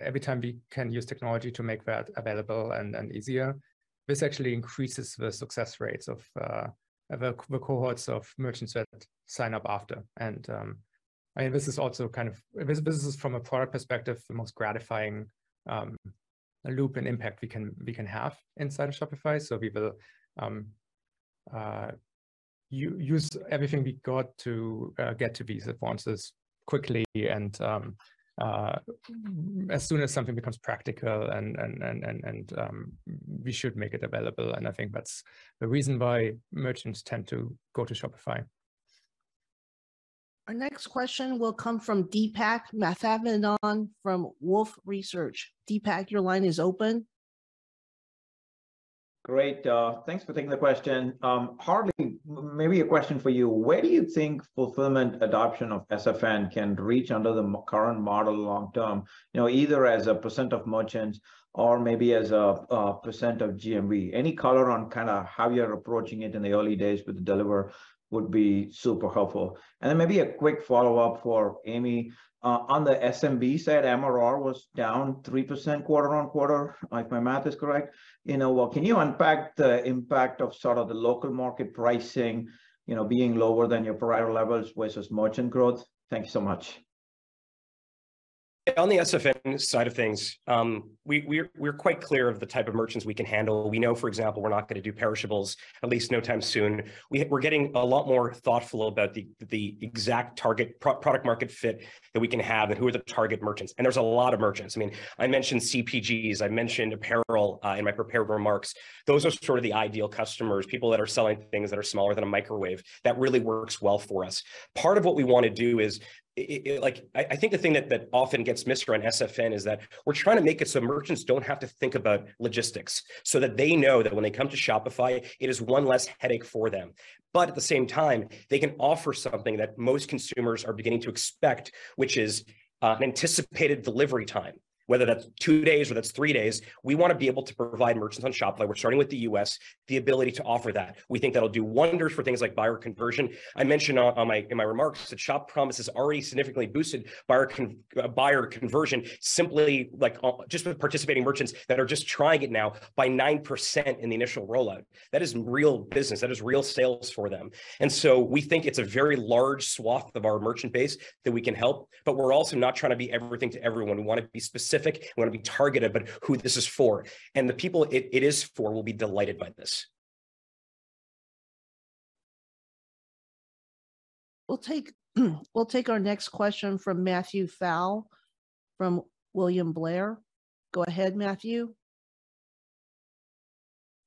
S8: every time we can use technology to make that available and easier, this actually increases the success rates of the cohorts of merchants that sign up after. I mean, this is also kind of from a product perspective, the most gratifying loop and impact we can have inside of Shopify. We will use everything we got to get to these advances quickly and as soon as something becomes practical and we should make it available. I think that's the reason why merchants tend to go to Shopify.
S1: Our next question will come from Deepak Mathivanan from Wolfe Research. Deepak, your line is open.
S9: Great. Thanks for taking the question. Harley, maybe a question for you. Where do you think fulfillment adoption of SFN can reach under the current model long term, you know, either as a percent of merchants or maybe as a percent of GMV? Any color on kinda how you're approaching it in the early days with the Deliverr would be super helpful. Then maybe a quick follow-up for Amy. On the SMB side, MRR was down 3% quarter-over-quarter, if my math is correct. You know, well, can you unpack the impact of sort of the local market pricing, you know, being lower than your prior levels versus merchant growth? Thank you so much.
S2: On the SFN side of things, we're quite clear of the type of merchants we can handle. We know, for example, we're not gonna do perishables, at least no time soon. We're getting a lot more thoughtful about the exact target product market fit that we can have and who are the target merchants, and there's a lot of merchants. I mean, I mentioned CPGs, I mentioned apparel, in my prepared remarks. Those are sort of the ideal customers, people that are selling things that are smaller than a microwave. That really works well for us. Part of what we wanna do is like, I think the thing that often gets missed here on SFN is that we're trying to make it so merchants don't have to think about logistics, so that they know that when they come to Shopify, it is one less headache for them. At the same time, they can offer something that most consumers are beginning to expect, which is an anticipated delivery time, whether that's two days or that's three days. We wanna be able to provide merchants on Shopify, we're starting with the U.S., the ability to offer that. We think that'll do wonders for things like buyer conversion. I mentioned in my remarks that Shop Promise has already significantly boosted buyer conversion simply just with participating merchants that are just trying it now by 9% in the initial rollout. That is real business. That is real sales for them. We think it's a very large swath of our merchant base that we can help, but we're also not trying to be everything to everyone. We wanna be specific, we wanna be targeted about who this is for, and the people it is for will be delighted by this.
S1: We'll take our next question from Matthew Pfau from William Blair. Go ahead, Matthew.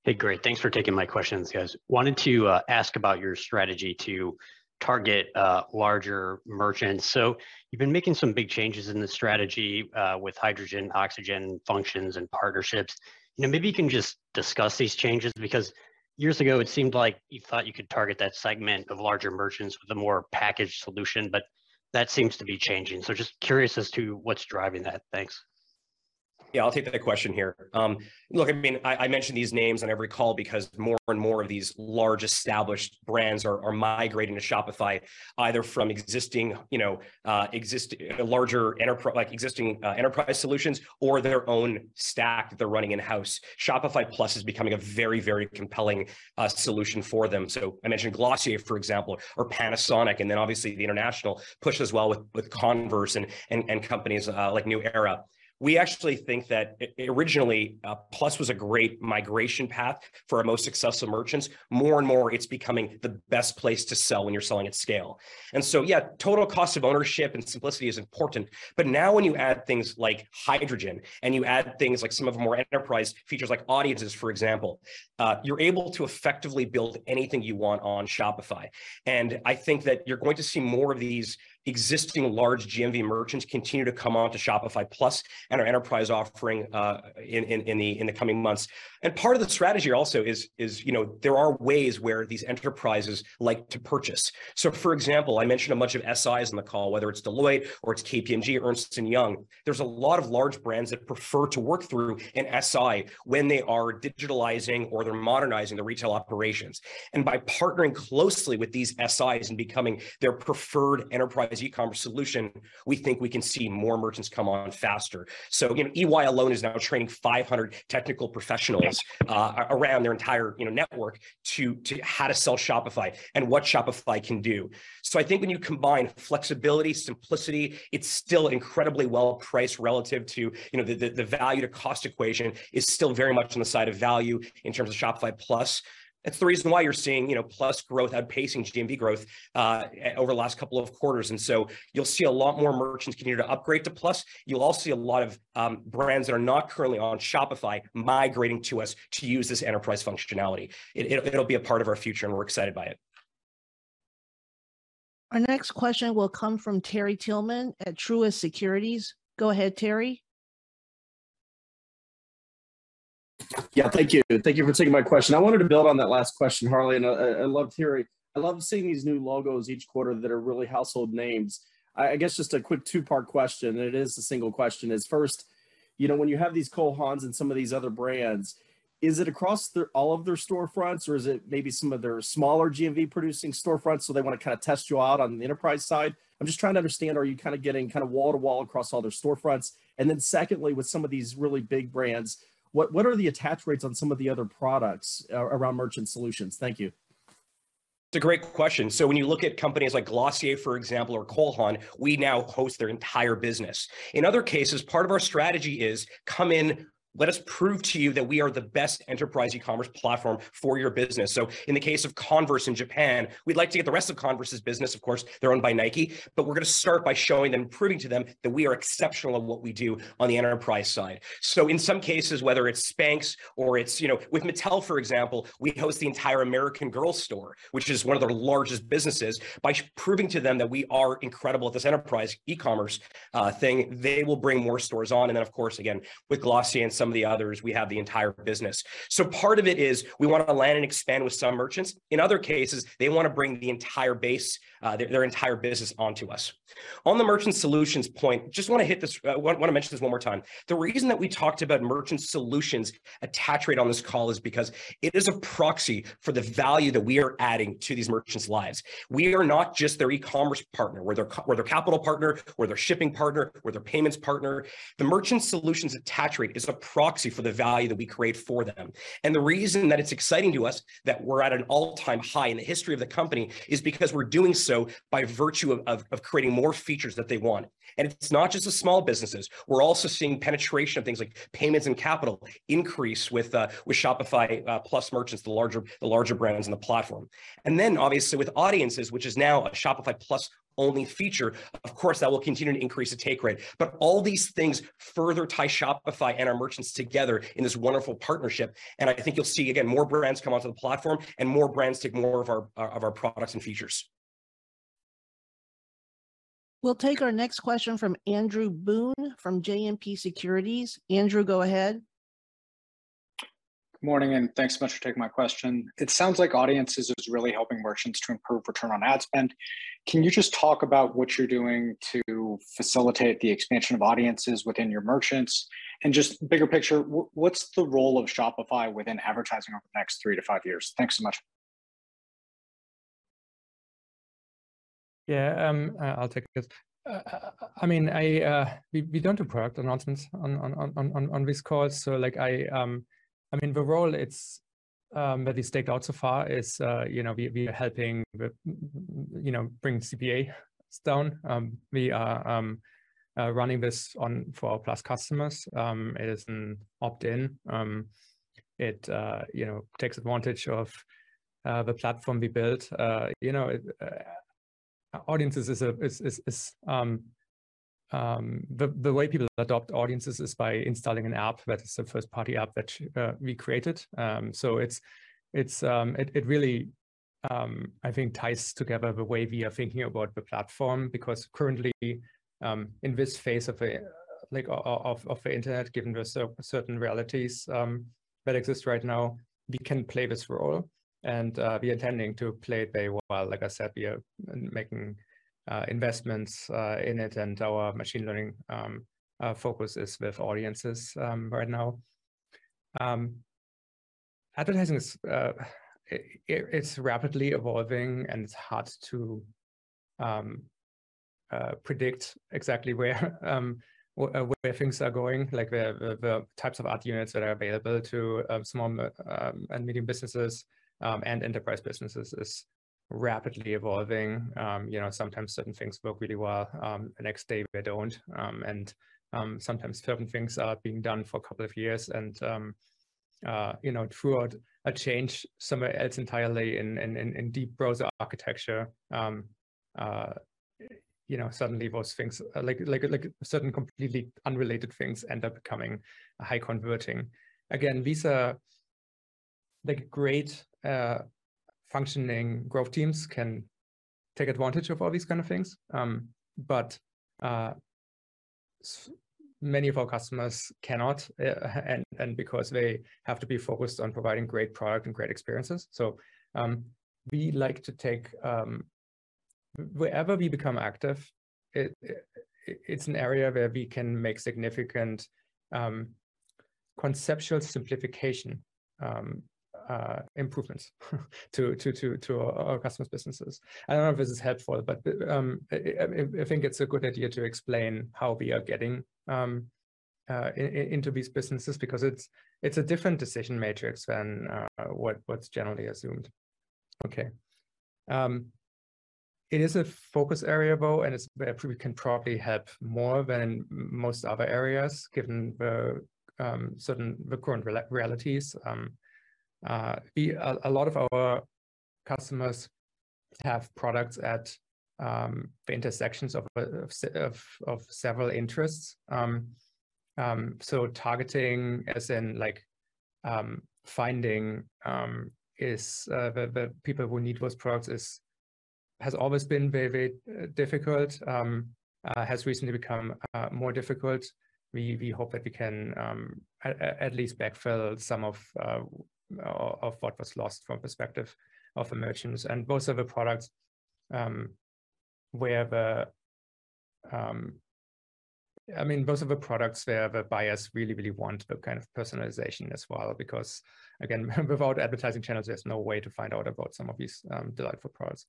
S10: Hey, great. Thanks for taking my questions, guys. Wanted to ask about your strategy to target larger merchants. You've been making some big changes in the strategy with Hydrogen, Oxygen, Functions, and partnerships. You know, maybe you can just discuss these changes because years ago it seemed like you thought you could target that segment of larger merchants with a more packaged solution, but that seems to be changing. Just curious as to what's driving that. Thanks.
S2: Yeah, I'll take that question here. Look, I mean, I mention these names on every call because more and more of these large established brands are migrating to Shopify either from existing, you know, existing larger enterprise-like existing enterprise solutions or their own stack that they're running in-house. Shopify Plus is becoming a very compelling solution for them. I mentioned Glossier, for example, or Panasonic, and then obviously the international push as well with Converse and companies like New Era. We actually think that originally Plus was a great migration path for our most successful merchants. More and more, it's becoming the best place to sell when you're selling at scale. Yeah, total cost of ownership and simplicity is important. Now when you add things like Hydrogen and you add things like some of the more enterprise features like Audiences, for example, you're able to effectively build anything you want on Shopify. I think that you're going to see more of these existing large GMV merchants continue to come onto Shopify Plus and our enterprise offering, in the coming months. Part of the strategy also is, you know, there are ways where these enterprises like to purchase. For example, I mentioned a bunch of SIs on the call, whether it's Deloitte or it's KPMG, Ernst & Young. There's a lot of large brands that prefer to work through an SI when they are digitalizing or they're modernizing their retail operations. By partnering closely with these SIs and becoming their preferred enterprise e-commerce solution, we think we can see more merchants come on faster. EY alone is now training 500 technical professionals around their entire, you know, network to how to sell Shopify and what Shopify can do. I think when you combine flexibility, simplicity, it's still incredibly well priced relative to, you know, the value to cost equation is still very much on the side of value in terms of Shopify Plus. That's the reason why you're seeing, you know, Plus growth outpacing GMV growth over the last couple of quarters. You'll see a lot more merchants continue to upgrade to Plus. You'll also see a lot of brands that are not currently on Shopify migrating to us to use this enterprise functionality. It'll be a part of our future, and we're excited by it.
S1: Our next question will come from Terry Tillman at Truist Securities. Go ahead, Terry.
S11: Yeah, thank you. Thank you for taking my question. I wanted to build on that last question, Harley, and I love seeing these new logos each quarter that are really household names. I guess just a quick two-part question, and it is a single question, is first- You know, when you have these Cole Haan and some of these other brands, is it across their, all of their storefronts, or is it maybe some of their smaller GMV-producing storefronts, so they wanna kinda test you out on the enterprise side? I'm just trying to understand, are you kinda getting kinda wall-to-wall across all their storefronts? Secondly, with some of these really big brands, what are the attach rates on some of the other products around Merchant Solutions? Thank you.
S2: It's a great question. When you look at companies like Glossier, for example, or Cole Haan, we now host their entire business. In other cases, part of our strategy is, come in, let us prove to you that we are the best enterprise e-commerce platform for your business. In the case of Converse in Japan, we'd like to get the rest of Converse's business, of course, they're owned by Nike, but we're gonna start by showing them, proving to them, that we are exceptional at what we do on the enterprise side. In some cases, whether it's Spanx or it's, you know, with Mattel, for example, we host the entire American Girl store, which is one of their largest businesses. By proving to them that we are incredible at this enterprise e-commerce thing, they will bring more stores on. Of course, again, with Glossier and some of the others, we have the entire business. Part of it is we wanna land and expand with some merchants. In other cases, they wanna bring the entire base, their entire business onto us. On the Merchant Solutions point, just wanna hit this, wanna mention this one more time. The reason that we talked about Merchant Solutions attach rate on this call is because it is a proxy for the value that we are adding to these merchants' lives. We are not just their e-commerce partner. We're their capital partner, we're their shipping partner, we're their payments partner. The Merchant Solutions attach rate is a proxy for the value that we create for them. The reason that it's exciting to us that we're at an all-time high in the history of the company is because we're doing so by virtue of creating more features that they want. It's not just the small businesses. We're also seeing penetration of things like payments and capital increase with Shopify Plus merchants, the larger brands on the platform. Obviously, with Audiences, which is now a Shopify Plus-only feature, of course, that will continue to increase the take rate. All these things further tie Shopify and our merchants together in this wonderful partnership, and I think you'll see, again, more brands come onto the platform and more brands take more of our products and features.
S1: We'll take our next question from Andrew Boone from JMP Securities. Andrew, go ahead.
S12: Good morning, and thanks so much for taking my question. It sounds like Audiences is really helping merchants to improve return on ad spend. Can you just talk about what you're doing to facilitate the expansion of Audiences within your merchants? Just bigger picture, what's the role of Shopify within advertising over the next three-five years? Thanks so much.
S8: I'll take this. I mean, we don't do product announcements on this call, so like, I mean, the role that we staked out so far is, you know, we are helping with, you know, bring CPAs down. We are running this on for our Plus customers. It is an opt-in. It, you know, takes advantage of the platform we built. You know, the way people adopt Audiences is by installing an app that is a first-party app that we created. It's really, I think, ties together the way we are thinking about the platform because currently in this phase of, like, of the internet, given the certain realities that exist right now, we can play this role and we are tending to play it very well. Like I said, we are making investments in it and our machine learning focus is with Audiences right now. Advertising is rapidly evolving and it's hard to predict exactly where things are going. Like the types of ad units that are available to small and medium businesses and enterprise businesses is rapidly evolving. You know, sometimes certain things work really well, the next day they don't. Sometimes certain things are being done for a couple of years, you know, throughout a change, somewhere else entirely in deep browser architecture, you know, suddenly those things, like certain completely unrelated things end up becoming high converting. Again, these are, like, great functioning growth teams can take advantage of all these kind of things. Many of our customers cannot, and because they have to be focused on providing great product and great experiences. We like to take wherever we become active, it's an area where we can make significant conceptual simplification improvements to our customers' businesses. I don't know if this is helpful, but I think it's a good idea to explain how we are getting into these businesses because it's a different decision matrix than what's generally assumed. Okay. It is a focus area though, and it's where we can probably help more than most other areas given the current realities. A lot of our customers have products at the intersections of several interests. Targeting as in, like, finding the people who need those products has always been very difficult, has recently become more difficult. We hope that we can at least backfill some of what was lost from the perspective of the merchants and most of the products. I mean, those are the products where the buyers really want the kind of personalization as well because, again, without advertising channels, there's no way to find out about some of these delightful products.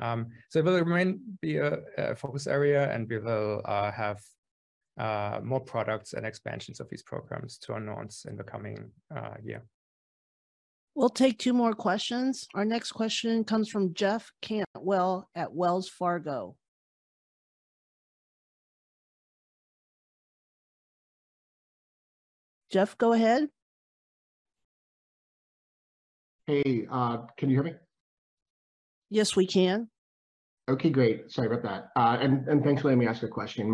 S8: It will remain a focus area, and we will have more products and expansions of these programs to announce in the coming year.
S1: We'll take two more questions. Our next question comes from Jeff Cantwell at Wells Fargo. Jeff, go ahead.
S13: Hey, can you hear me?
S1: Yes, we can.
S13: Okay, great. Sorry about that. And thanks for letting me ask a question.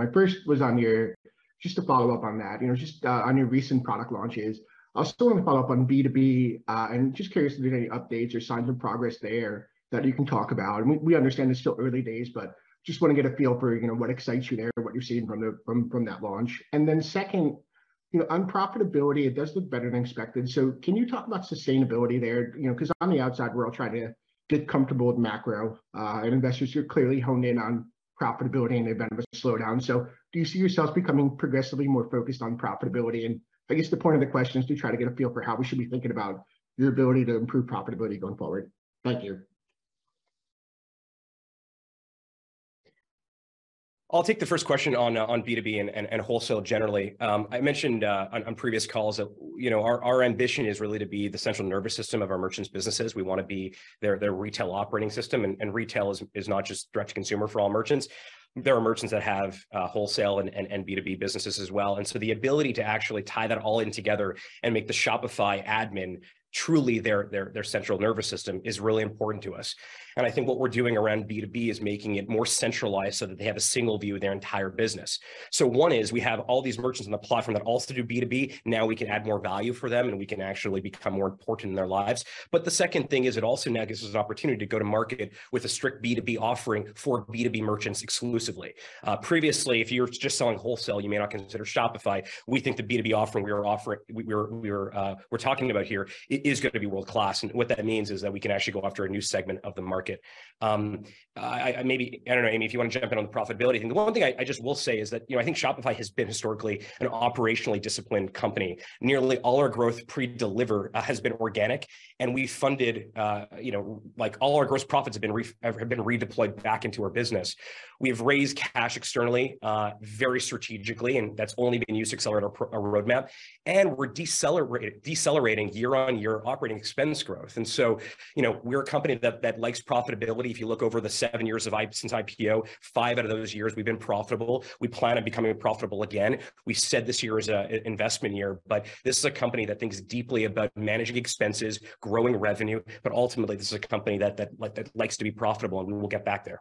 S13: Just to follow up on that, you know, just on your recent product launches. I still wanna follow up on B2B, and just curious if there's any updates or signs of progress there that you can talk about. We understand it's still early days, but just wanna get a feel for, you know, what excites you there, what you're seeing from that launch. Second, you know, on profitability, it does look better than expected, so can you talk about sustainability there? You know, 'cause on the outside world, trying to get comfortable with macro, and investors are clearly honed in on profitability in the event of a slowdown. Do you see yourselves becoming progressively more focused on profitability? I guess the point of the question is to try to get a feel for how we should be thinking about your ability to improve profitability going forward. Thank you.
S2: I'll take the first question on B2B and wholesale generally. I mentioned on previous calls that, you know, our ambition is really to be the central nervous system of our merchants' businesses. We wanna be their retail operating system, and retail is not just direct to consumer for all merchants. There are merchants that have wholesale and B2B businesses as well. The ability to actually tie that all in together and make the Shopify admin truly their central nervous system is really important to us. I think what we're doing around B2B is making it more centralized so that they have a single view of their entire business. One is we have all these merchants on the platform that also do B2B. Now we can add more value for them, and we can actually become more important in their lives. The second thing is it also now gives us an opportunity to go to market with a strict B2B offering for B2B merchants exclusively. Previously, if you were just selling wholesale, you may not consider Shopify. We think the B2B offering we are offering, we're talking about here is gonna be world-class, and what that means is that we can actually go after a new segment of the market. Maybe I don't know, Amy, if you wanna jump in on the profitability thing. The one thing I just will say is that, you know, I think Shopify has been historically an operationally disciplined company. Nearly all our growth pre-Deliverr has been organic, and we funded, you know, like, all our gross profits have been redeployed back into our business. We've raised cash externally, very strategically, and that's only been used to accelerate our roadmap. We're decelerating year-over-year operating expense growth. You know, we're a company that likes profitability. If you look over the seven years of history since IPO, five out of those years we've been profitable. We plan on becoming profitable again. We said this year is an investment year, but this is a company that thinks deeply about managing expenses, growing revenue, but ultimately, this is a company that likes to be profitable, and we will get back there.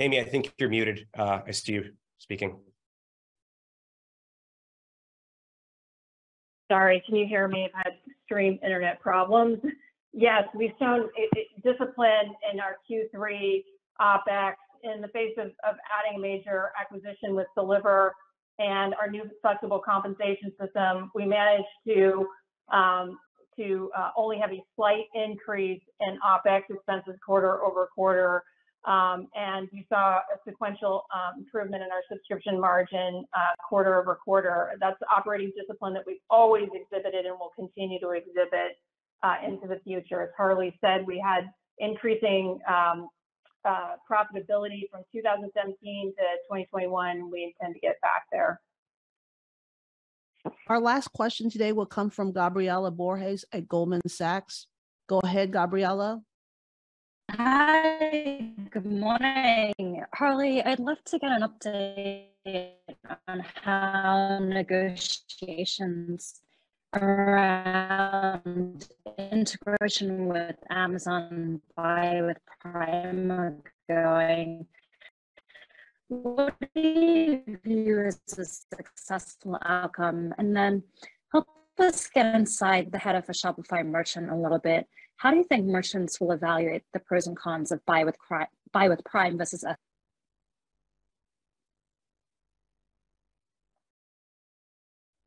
S2: Amy, I think you're muted as to you speaking.
S4: Sorry, can you hear me? I've had extreme internet problems. Yes, we've shown a discipline in our Q3 OpEx in the face of adding major acquisition with Deliverr and our new flexible compensation system. We managed to only have a slight increase in OpEx expenses quarter-over-quarter, and you saw a sequential improvement in our subscription margin, quarter-over-quarter. That's the operating discipline that we've always exhibited and will continue to exhibit into the future. As Harley said, we had increasing profitability from 2017 to 2021. We intend to get back there.
S1: Our last question today will come from Gabriela Borges at Goldman Sachs. Go ahead, Gabriela.
S14: Hi. Good morning. Harley, I'd love to get an update on how negotiations around integration with Amazon Buy with Prime are going. What do you view as a successful outcome? Help us get inside the head of a Shopify merchant a little bit. How do you think merchants will evaluate the pros and cons of Buy with Prime versus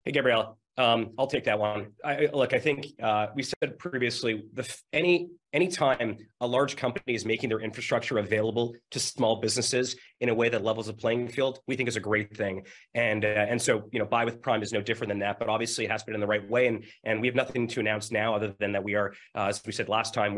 S2: Hey, Gabriela. I'll take that one. Look, I think we said previously any time a large company is making their infrastructure available to small businesses in a way that levels the playing field, we think is a great thing. You know, Buy with Prime is no different than that, but obviously it has to be done the right way, and we have nothing to announce now other than that, as we said last time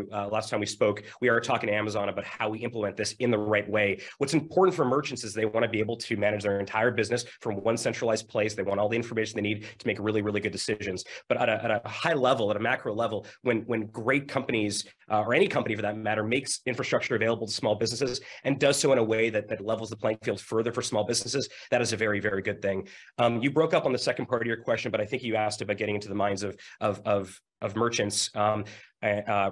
S2: we spoke, we are talking to Amazon about how we implement this in the right way. What's important for merchants is they wanna be able to manage their entire business from one centralized place. They want all the information they need to make really, really good decisions. At a high level, at a macro level, when great companies or any company for that matter makes infrastructure available to small businesses and does so in a way that levels the playing field further for small businesses, that is a very, very good thing. You broke up on the second part of your question, but I think you asked about getting into the minds of merchants.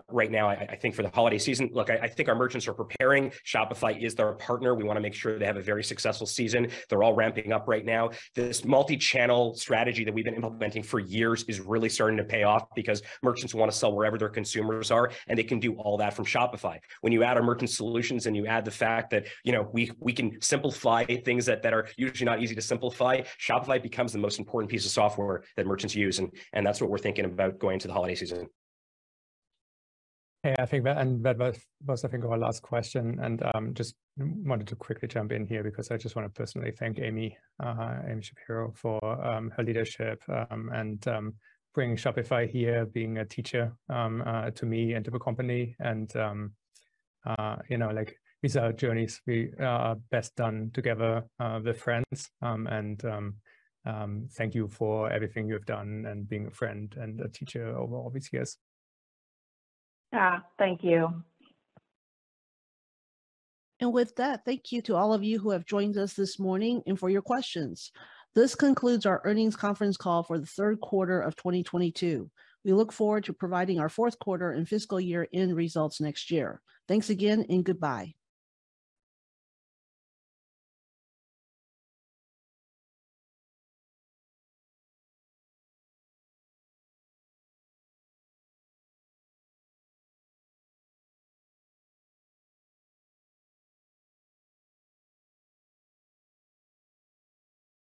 S2: Right now I think for the holiday season, look, I think our merchants are preparing. Shopify is their partner. We wanna make sure they have a very successful season. They're all ramping up right now. This multi-channel strategy that we've been implementing for years is really starting to pay off because merchants wanna sell wherever their consumers are, and they can do all that from Shopify. When you add our merchant solutions and you add the fact that, you know, we can simplify things that are usually not easy to simplify, Shopify becomes the most important piece of software that merchants use, and that's what we're thinking about going into the holiday season.
S8: Yeah, I think that was our last question, and just wanted to quickly jump in here because I just wanna personally thank Amy Shapero for her leadership and bringing Shopify here, being a teacher to me and to the company. You know, like, these are journeys best done together with friends. Thank you for everything you've done and being a friend and a teacher over all these years.
S4: Yeah. Thank you.
S1: With that, thank you to all of you who have joined us this morning and for your questions. This concludes our earnings conference call for the third quarter of 2022. We look forward to providing our fourth quarter and fiscal year-end results next year. Thanks again, and goodbye.